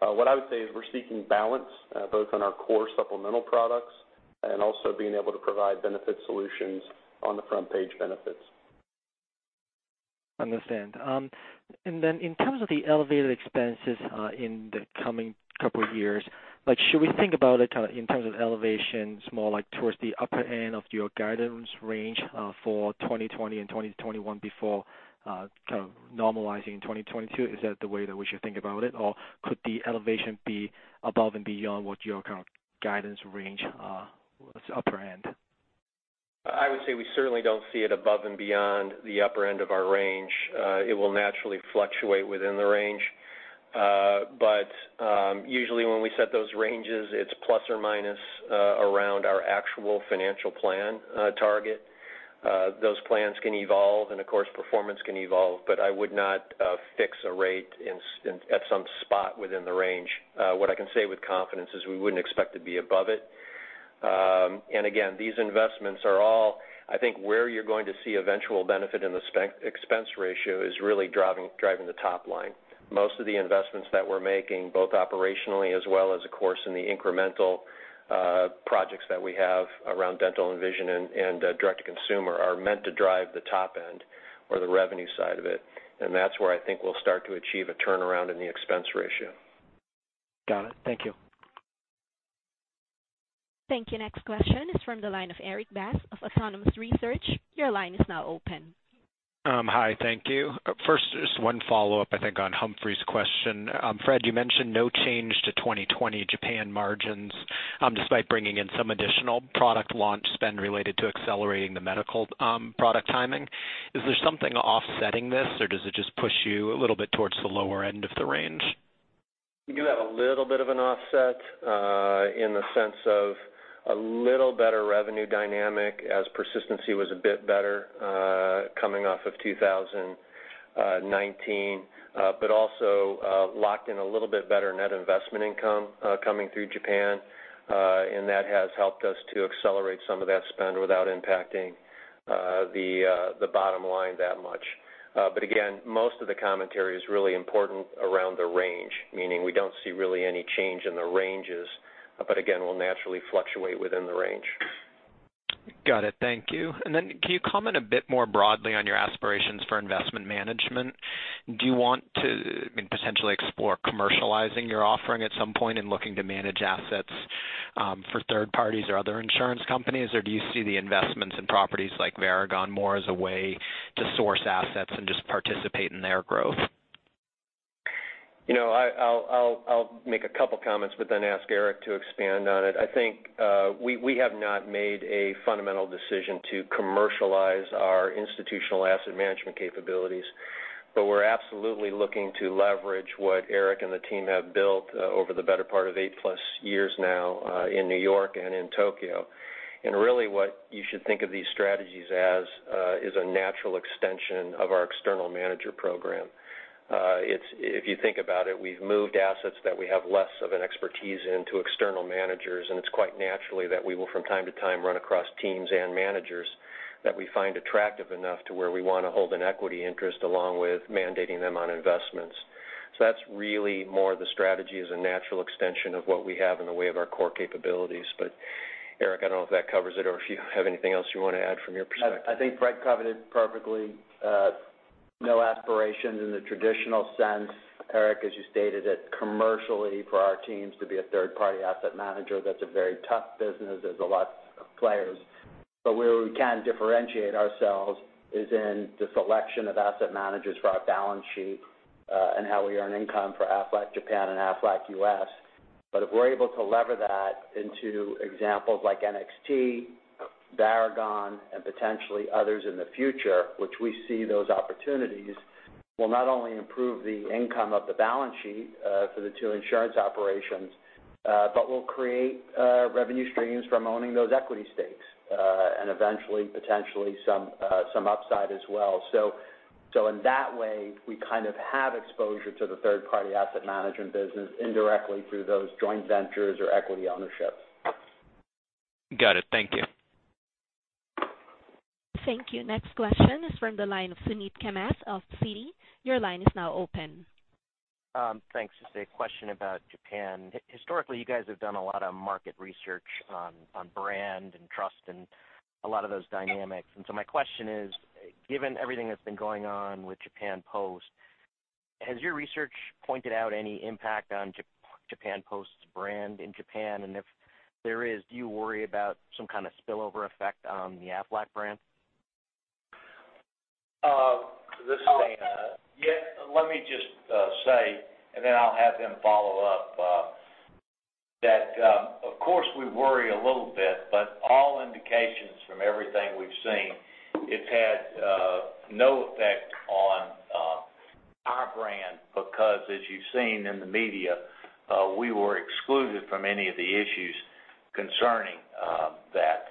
S11: What I would say is we're seeking balance, both on our core supplemental products and also being able to provide benefit solutions on the front-page benefits.
S10: Understand. Then in terms of the elevated expenses in the coming couple of years, should we think about it in terms of elevations more like towards the upper end of your guidance range for 2020 and 2021 before kind of normalizing in 2022? Is that the way that we should think about it, or could the elevation be above and beyond what your kind of guidance range upper end?
S4: I would say we certainly don't see it above and beyond the upper end of our range. It will naturally fluctuate within the range. Usually, when we set those ranges, it's plus or minus around our actual financial plan target. Those plans can evolve, and of course, performance can evolve, but I would not fix a rate at some spot within the range. What I can say with confidence is we wouldn't expect to be above it. Again, these investments are all, I think, where you're going to see eventual benefit in the expense ratio is really driving the top line. Most of the investments that we're making, both operationally as well as, of course, in the incremental projects that we have around dental and vision and direct-to-consumer, are meant to drive the top end or the revenue side of it. That's where I think we'll start to achieve a turnaround in the expense ratio.
S10: Got it. Thank you.
S1: Thank you. Next question is from the line of Erik Bass of Autonomous Research. Your line is now open.
S12: Hi, thank you. First, just one follow-up, I think, on Humphrey's question. Fred, you mentioned no change to 2020 Japan margins, despite bringing in some additional product launch spend related to accelerating the medical product timing. Is there something offsetting this, or does it just push you a little bit towards the lower end of the range?
S4: We do have a little bit of an offset, in the sense of a little better revenue dynamic as persistency was a bit better coming off of 2019. Also locked in a little bit better net investment income coming through Japan, and that has helped us to accelerate some of that spend without impacting the bottom line that much. Again, most of the commentary is really important around the range, meaning we don't see really any change in the ranges. Again, we'll naturally fluctuate within the range.
S12: Got it. Thank you. Then can you comment a bit more broadly on your aspirations for investment management? Do you want to potentially explore commercializing your offering at some point and looking to manage assets for third parties or other insurance companies? Do you see the investments in properties like Varagon more as a way to source assets and just participate in their growth?
S4: I'll make a couple comments, but then ask Eric to expand on it. I think we have not made a fundamental decision to commercialize our institutional asset management capabilities. We're absolutely looking to leverage what Eric and the team have built over the better part of 8+ years now in New York and in Tokyo. Really what you should think of these strategies as is a natural extension of our external manager program. If you think about it, we've moved assets that we have less of an expertise in to external managers, and it's quite naturally that we will, from time to time, run across teams and managers that we find attractive enough to where we want to hold an equity interest along with mandating them on investments. That's really more the strategy as a natural extension of what we have in the way of our core capabilities. Eric, I don't know if that covers it or if you have anything else you want to add from your perspective.
S13: I think Fred Crawford covered it perfectly. No aspirations in the traditional sense, Eric, as you stated it commercially for our teams to be a third-party asset manager, that's a very tough business. There's a lot of players. Where we can differentiate ourselves is in the selection of asset managers for our balance sheet, and how we earn income for Aflac Japan and Aflac U.S. If we're able to lever that into examples like NXT Capital, Varagon, and potentially others in the future, which we see those opportunities, will not only improve the income of the balance sheet, for the two insurance operations, but will create revenue streams from owning those equity stakes, and eventually, potentially some upside as well. In that way, we kind of have exposure to the third-party asset management business indirectly through those joint ventures or equity ownership.
S12: Got it. Thank you.
S1: Thank you. Next question is from the line of Suneet Kamath of Citi. Your line is now open.
S14: Thanks. Just a question about Japan. Historically, you guys have done a lot of market research on brand and trust and a lot of those dynamics. My question is, given everything that's been going on with Japan Post, has your research pointed out any impact on Japan Post's brand in Japan? If there is, do you worry about some kind of spillover effect on the Aflac brand?
S3: This is Dan. Let me just say, and then I'll have him follow up, that of course, we worry a little bit, but all indications from everything we've seen, it's had no effect on our brand because as you've seen in the media, we were excluded from any of the issues concerning that.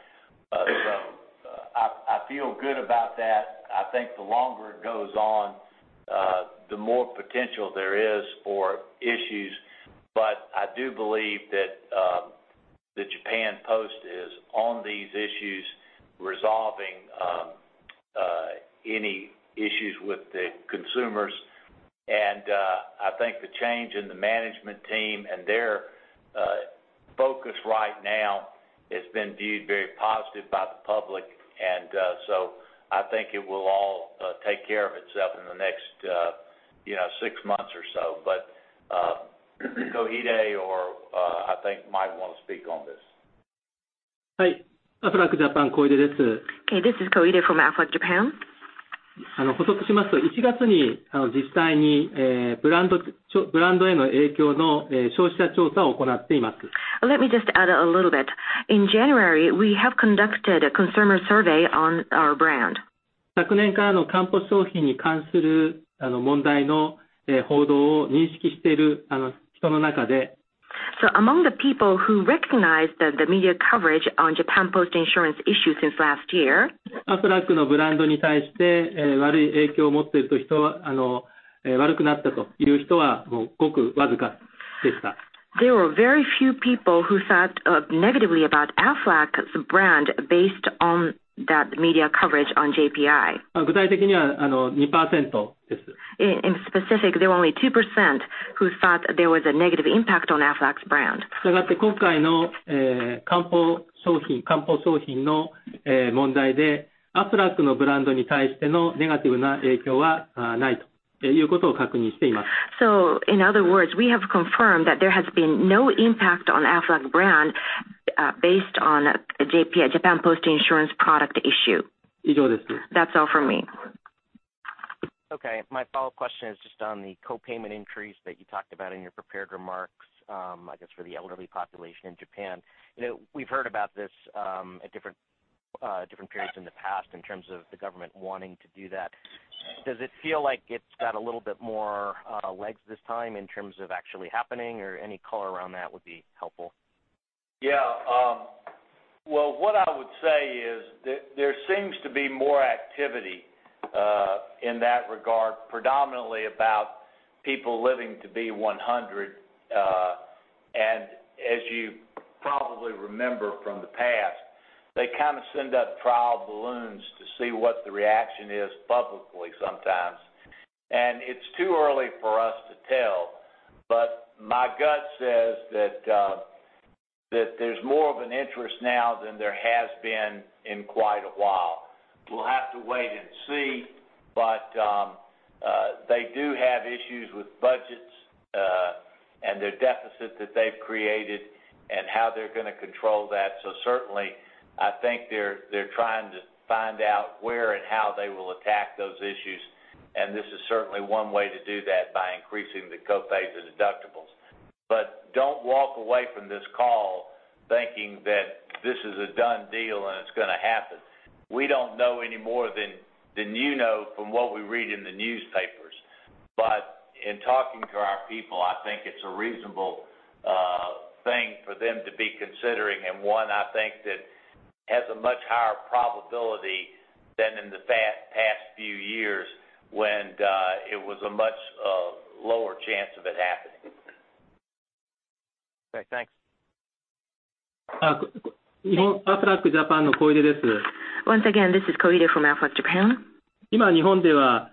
S3: I feel good about that. I think the longer it goes on, the more potential there is for issues. I do believe that the Japan Post is on these issues resolving any issues with the consumers. I think the change in the management team and their focus right now has been viewed very positively by the public. I think it will all take care of itself in the next six months or so. Koide, I think, might want to speak on this.
S15: Okay. This is Koide from Aflac Japan. Let me just add a little bit. In January, we have conducted a consumer survey on our brand. Among the people who recognized the media coverage on Japan Post Insurance issues since last year, there were very few people who thought negatively about Aflac as a brand based on that media coverage on JPI. In specific, there were only 2% who thought there was a negative impact on Aflac's brand. In other words, we have confirmed that there has been no impact on Aflac brand, based on Japan Post Insurance product issue. That's all from me.
S14: Okay. My follow-up question is just on the co-payment increase that you talked about in your prepared remarks, I guess, for the elderly population in Japan. We've heard about this at different periods in the past in terms of the government wanting to do that. Does it feel like it's got a little bit more legs this time in terms of actually happening or any color around that would be helpful?
S3: Well, what I would say is there seems to be more activity in that regard, predominantly about people living to be 100. As you probably remember from the past, they kind of send up trial balloons to see what the reaction is publicly sometimes. It's too early for us to tell, but my gut says that there's more of an interest now than there has been in quite a while. We'll have to wait and see, but they do have issues with budgets, and their deficit that they've created and how they're going to control that. Certainly, I think they're trying to find out where and how they will attack those issues. This is certainly one way to do that by increasing the co-pays and deductibles. Don't walk away from this call thinking that this is a done deal, and it's going to happen. We don't know any more than you know from what we read in the newspapers. In talking to our people, I think it's a reasonable thing for them to be considering and one, I think, that has a much higher probability than in the past few years when it was a much lower chance of it happening.
S14: Okay, thanks.
S15: Once again, this is Koide from Aflac Japan. With the backdrop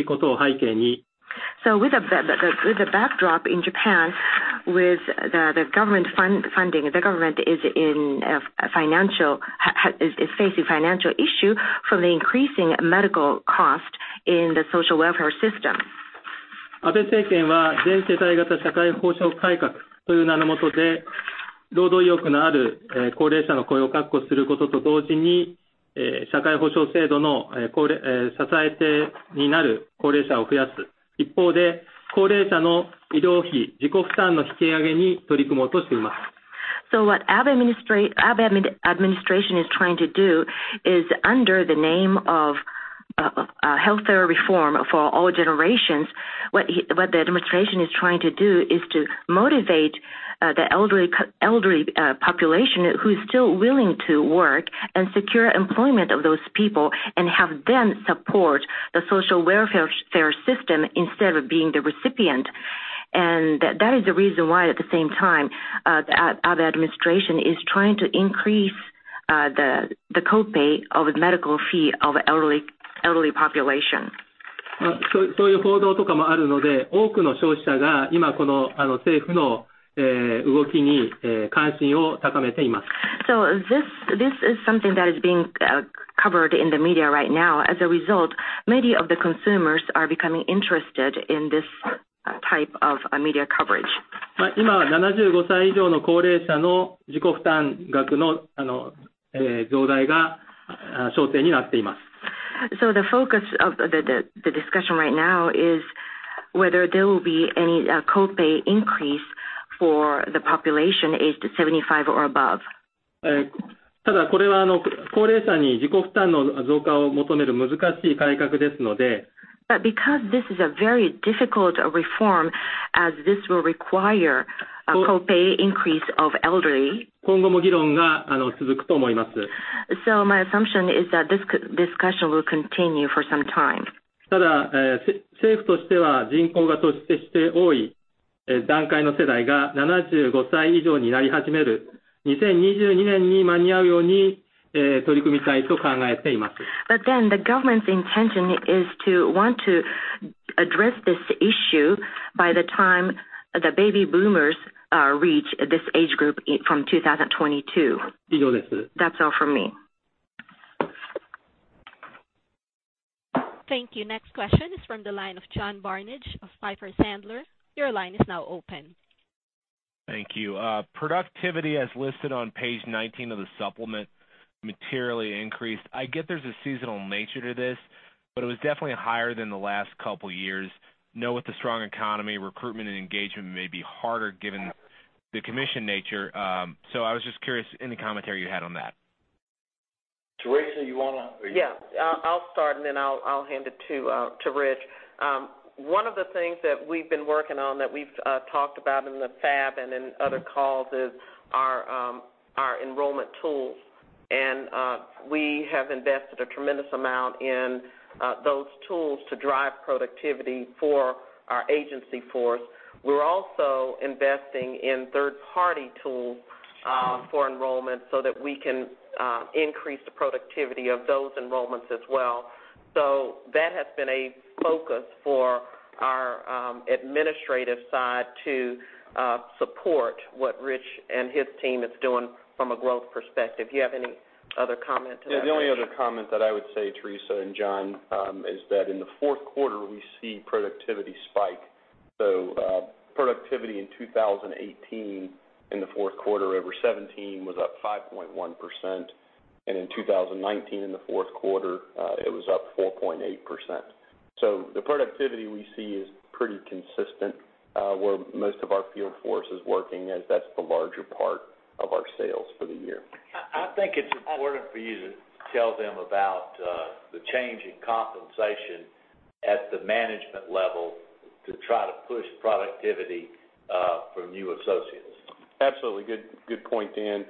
S15: in Japan, with the government funding, the government is facing financial issue from the increasing medical cost in the social welfare system. What Abe administration is trying to do is under the name of health care reform for all generations. What the administration is trying to do is to motivate the elderly population who's still willing to work and secure employment of those people and have them support the social welfare system instead of being the recipient. That is the reason why, at the same time, the Abe administration is trying to increase the co-pay of medical fee of elderly population. This is something that is being covered in the media right now. As a result, many of the consumers are becoming interested in this type of media coverage. The focus of the discussion right now is whether there will be any co-pay increase for the population aged 75 or above. Because this is a very difficult reform. My assumption is that this discussion will continue for some time. The government's intention is to want to address this issue by the time the baby boomers reach this age group from 2022. That's all from me.
S1: Thank you. Next question is from the line of John Barnidge of Piper Sandler. Your line is now open.
S16: Thank you. Productivity as listed on page 19 of the supplement materially increased. I get there's a seasonal nature to this, but it was definitely higher than the last couple years. Now with the strong economy, recruitment and engagement may be harder given the commission nature. I was just curious any commentary you had on that.
S3: Teresa, you want to?
S17: Yeah. I'll start, and then I'll hand it to Rich. One of the things that we've been working on, that we've talked about in the FAB and in other calls is our enrollment tools. We have invested a tremendous amount in those tools to drive productivity for our agency force. We're also investing in third-party tools for enrollment so that we can increase the productivity of those enrollments as well. That has been a focus for our administrative side to support what Rich and his team is doing from a growth perspective. You have any other comment to that, Rich?
S11: Yeah. The only other comment that I would say, Teresa and John, is that in the fourth quarter, we see productivity spike. Productivity in 2018 in the fourth quarter over 2017 was up 5.1%, and in 2019, in the fourth quarter, it was up 4.8%. The productivity we see is pretty consistent where most of our field force is working, as that's the larger part of our sales for the year.
S3: I think it's important for you to tell them about the change in compensation at the management level to try to push productivity from new associates.
S11: Absolutely. Good point, Dan.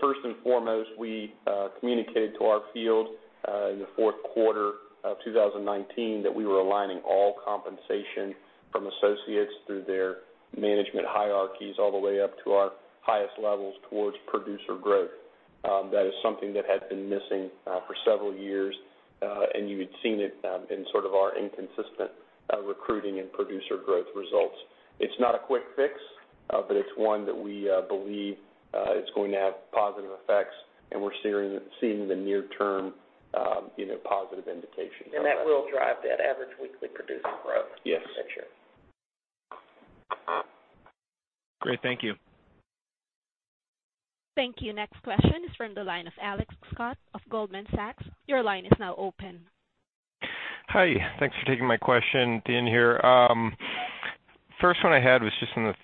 S11: First and foremost, we communicated to our field in the fourth quarter of 2019 that we were aligning all compensation from associates through their management hierarchies, all the way up to our highest levels towards producer growth. That is something that had been missing for several years, and you had seen it in sort of our inconsistent recruiting and producer growth results. It's not a quick fix, but it's one that we believe is going to have positive effects, and we're seeing the near-term positive indication of that.
S17: That will drive that average weekly production growth.
S11: Yes
S17: next year.
S16: Great. Thank you.
S1: Thank you. Next question is from the line of Alex Scott of Goldman Sachs. Your line is now open.
S18: Hi. Thanks for taking my question. Dean here. First one I had was just on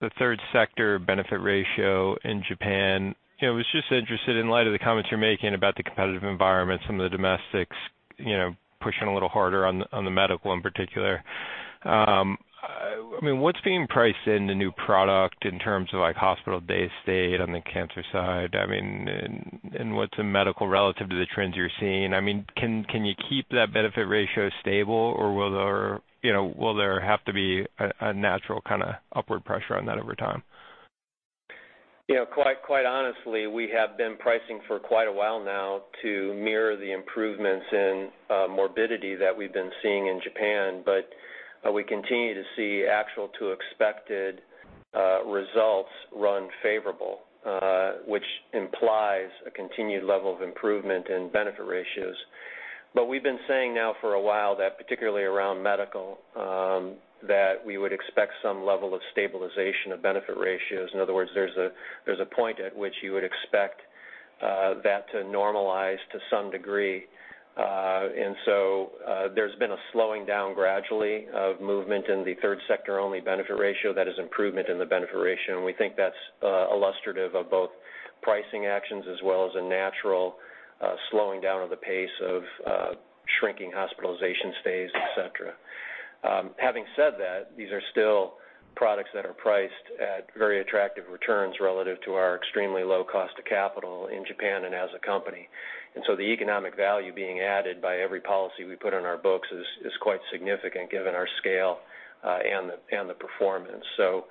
S18: the third sector benefit ratio in Japan. I was just interested in light of the comments you are making about the competitive environment, some of the domestics pushing a little harder on the medical in particular. What is being priced in the new product in terms of hospital day stay on the cancer side? And what is in medical relative to the trends you are seeing? Can you keep that benefit ratio stable or will there have to be a natural kind of upward pressure on that over time?
S4: Quite honestly, we have been pricing for quite a while now to mirror the improvements in morbidity that we've been seeing in Japan. We continue to see actual to expected results run favorable, which implies a continued level of improvement in benefit ratios. We've been saying now for a while that particularly around medical, that we would expect some level of stabilization of benefit ratios. In other words, there's a point at which you would expect that to normalize to some degree. There's been a slowing down gradually of movement in the third sector only benefit ratio. That is improvement in the benefit ratio, and we think that's illustrative of both pricing actions as well as a natural slowing down of the pace of shrinking hospitalization stays, et cetera. Having said that, these are still products that are priced at very attractive returns relative to our extremely low cost of capital in Japan and as a company. The economic value being added by every policy we put on our books is quite significant given our scale and the performance. That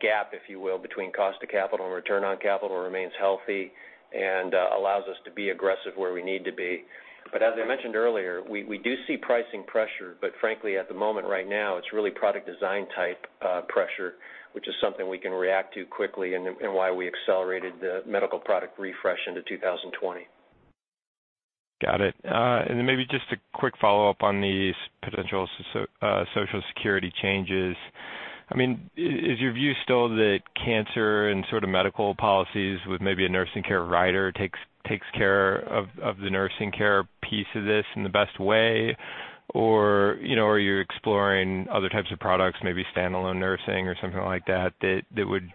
S4: gap, if you will, between cost of capital and return on capital remains healthy and allows us to be aggressive where we need to be. As I mentioned earlier, we do see pricing pressure, but frankly, at the moment right now, it's really product design type pressure, which is something we can react to quickly and why we accelerated the medical product refresh into 2020.
S18: Got it. Then maybe just a quick follow-up on these potential Social Security changes. Is your view still that cancer and sort of medical policies with maybe a nursing care rider takes care of the nursing care piece of this in the best way? Or are you exploring other types of products, maybe standalone nursing or something like that would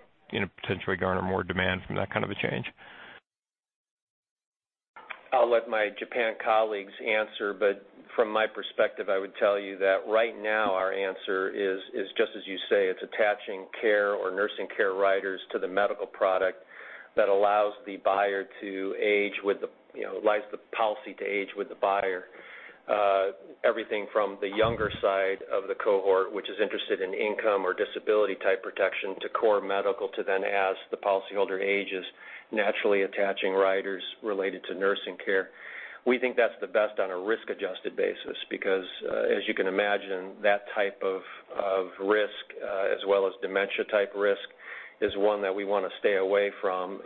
S18: potentially garner more demand from that kind of a change?
S4: I'll let my Japan colleagues answer, but from my perspective, I would tell you that right now our answer is just as you say, it's attaching care or nursing care riders to the medical product that allows the policy to age with the buyer. Everything from the younger side of the cohort, which is interested in income or disability type protection, to core medical, to then as the policy holder ages, naturally attaching riders related to nursing care. We think that's the best on a risk-adjusted basis because, as you can imagine, that type of risk, as well as dementia-type risk, is one that we want to stay away from.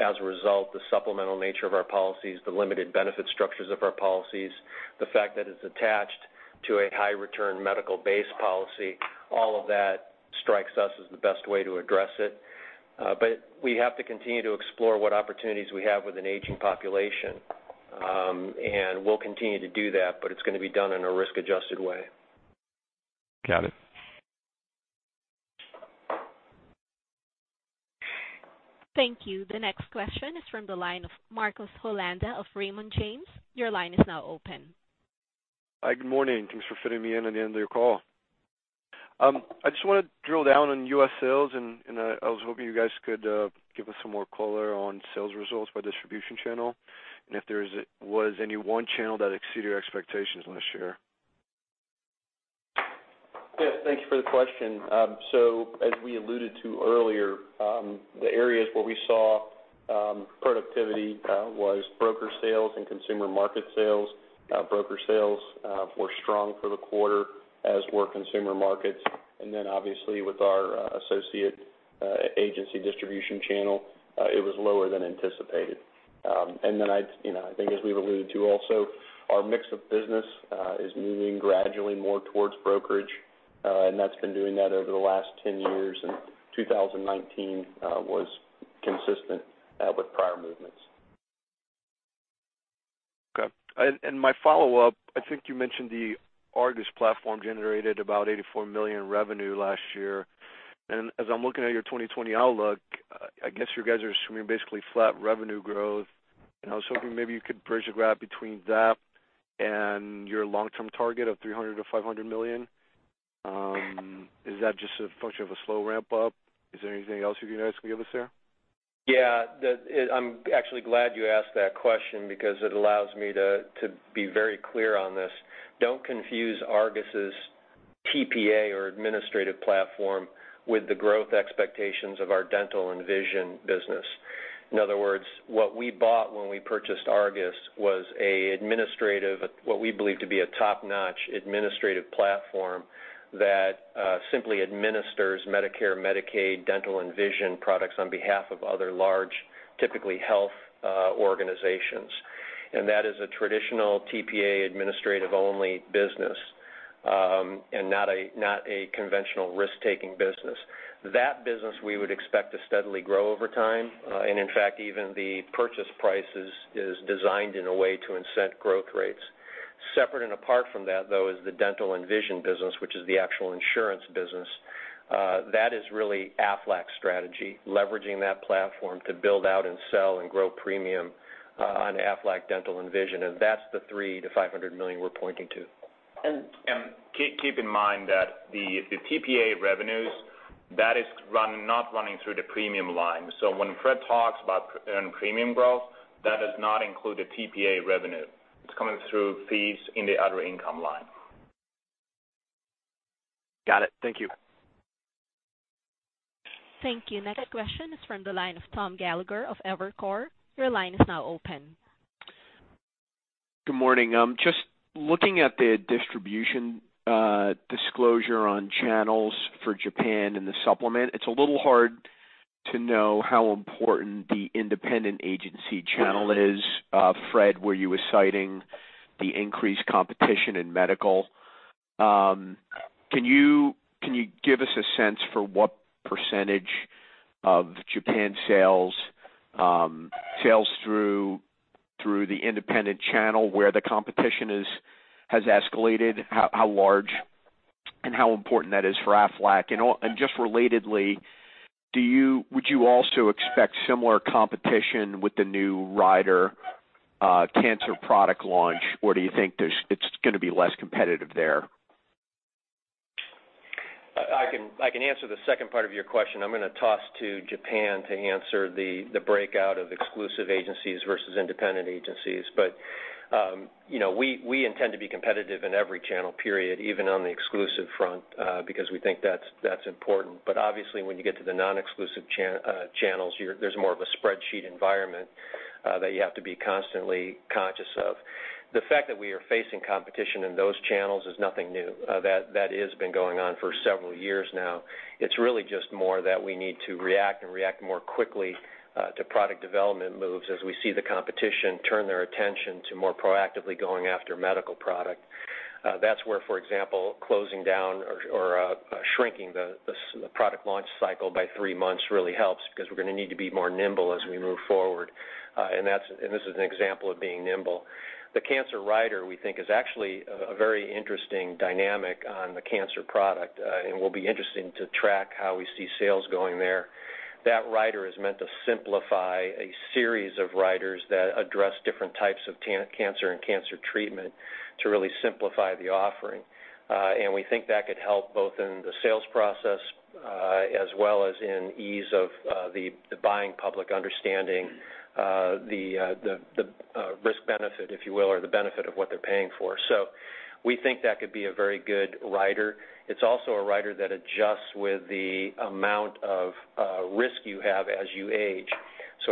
S4: As a result, the supplemental nature of our policies, the limited benefit structures of our policies, the fact that it's attached to a high-return medical base policy, all of that strikes us as the best way to address it. We have to continue to explore what opportunities we have with an aging population. We'll continue to do that, but it's going to be done in a risk-adjusted way.
S18: Got it.
S1: Thank you. The next question is from the line of Marcos Holanda of Raymond James. Your line is now open.
S19: Hi, good morning. Thanks for fitting me in at the end of your call. I just want to drill down on U.S. sales, and I was hoping you guys could give us some more color on sales results by distribution channel, and if there was any one channel that exceeded your expectations last year.
S11: Yes, thank you for the question. As we alluded to earlier, the areas where we saw productivity was broker sales and consumer market sales. Broker sales were strong for the quarter, as were consumer markets. Obviously with our associate agency distribution channel, it was lower than anticipated. I think as we've alluded to also, our mix of business is moving gradually more towards brokerage. That's been doing that over the last 10 years, and 2019 was consistent with prior movements.
S19: Okay. My follow-up, I think you mentioned the Argus platform generated about $84 million in revenue last year. As I'm looking at your 2020 outlook, I guess you guys are assuming basically flat revenue growth. I was hoping maybe you could bridge the gap between that and your long-term target of $300 million to $500 million. Is that just a function of a slow ramp up? Is there anything else you guys can give us there?
S4: Yeah. I'm actually glad you asked that question because it allows me to be very clear on this. Don't confuse Argus's TPA or administrative platform with the growth expectations of our dental and vision business. In other words, what we bought when we purchased Argus was what we believe to be a top-notch administrative platform that simply administers Medicare, Medicaid, dental, and vision products on behalf of other large, typically health, organizations. That is a traditional TPA administrative-only business, and not a conventional risk-taking business. That business we would expect to steadily grow over time. In fact, even the purchase price is designed in a way to incent growth rates. Separate and apart from that, though, is the dental and vision business, which is the actual insurance business. That is really Aflac's strategy, leveraging that platform to build out and sell and grow premium on Aflac Dental and Vision. That's the $300 million to $500 million we're pointing to.
S5: Keep in mind that the TPA revenues, that is not running through the premium line. When Fred talks about earned premium growth, that does not include the TPA revenue. It's coming through fees in the other income line.
S19: Got it. Thank you.
S1: Thank you. Next question is from the line of Tom Gallagher of Evercore. Your line is now open.
S20: Good morning. Just looking at the distribution disclosure on channels for Japan in the supplement, it's a little hard to know how important the independent agency channel is, Fred, where you were citing the increased competition in medical. Can you give us a sense for what % of Japan sales through the independent channel where the competition has escalated, how large and how important that is for Aflac? Just relatedly, would you also expect similar competition with the new rider cancer product launch or do you think it's going to be less competitive there?
S4: I can answer the second part of your question. I'm going to toss to Japan to answer the breakout of exclusive agencies versus independent agencies. We intend to be competitive in every channel, period, even on the exclusive front because we think that's important. Obviously when you get to the non-exclusive channels, there's more of a spreadsheet environment that you have to be constantly conscious of. The fact that we are facing competition in those channels is nothing new. That has been going on for several years now. It's really just more that we need to react and react more quickly to product development moves as we see the competition turn their attention to more proactively going after medical product. That's where, for example, closing down or shrinking the product launch cycle by three months really helps because we're going to need to be more nimble as we move forward. This is an example of being nimble. The cancer rider, we think, is actually a very interesting dynamic on the cancer product. Will be interesting to track how we see sales going there. That rider is meant to simplify a series of riders that address different types of cancer and cancer treatment to really simplify the offering. We think that could help both in the sales process as well as in ease of the buying public understanding the risk benefit, if you will, or the benefit of what they're paying for. We think that could be a very good rider. It's also a rider that adjusts with the amount of risk you have as you age.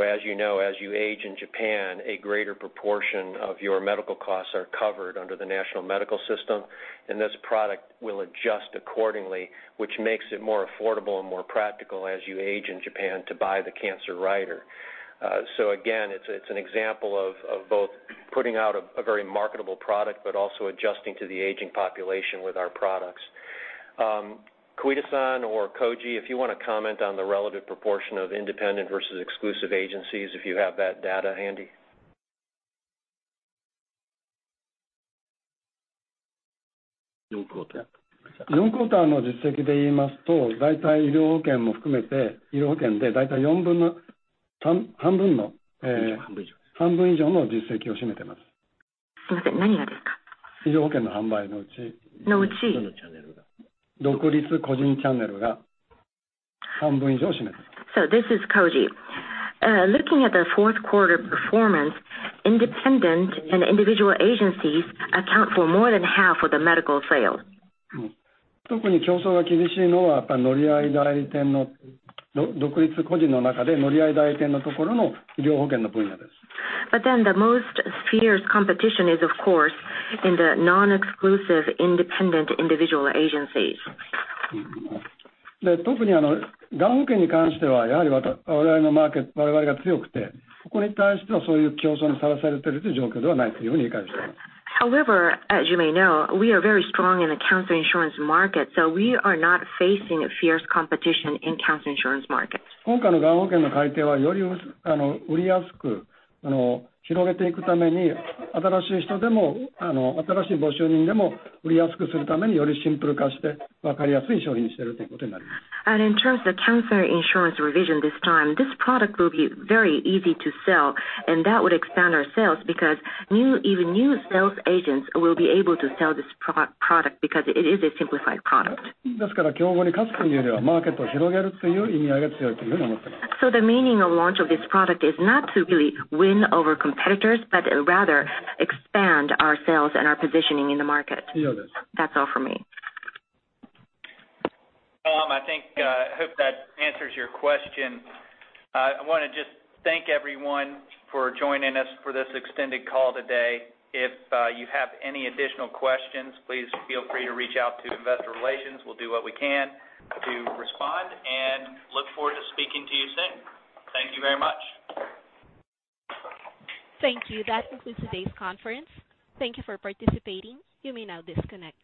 S4: As you know, as you age in Japan, a greater proportion of your medical costs are covered under the National Medical System, this product will adjust accordingly, which makes it more affordable and more practical as you age in Japan to buy the cancer rider. Again, it's an example of both putting out a very marketable product, also adjusting to the aging population with our products. Koide-san or Koji, if you want to comment on the relative proportion of independent versus exclusive agencies if you have that data handy.
S9: This is Koji. Looking at the fourth quarter performance, independent and individual agencies account for more than half of the medical sales. The most fierce competition is, of course, in the non-exclusive independent individual agencies. However, as you may know, we are very strong in the cancer insurance market, we are not facing fierce competition in cancer insurance markets. In terms of cancer insurance revision this time, this product will be very easy to sell, that would expand our sales because even new sales agents will be able to sell this product because it is a simplified product. The meaning of launch of this product is not to really win over competitors, but rather expand our sales and our positioning in the market. That's all for me.
S4: Tom, I hope that answers your question. I want to just thank everyone for joining us for this extended call today. If you have any additional questions, please feel free to reach out to investor relations. We'll do what we can to respond and look forward to speaking to you soon. Thank you very much.
S1: Thank you. That concludes today's conference. Thank you for participating. You may now disconnect.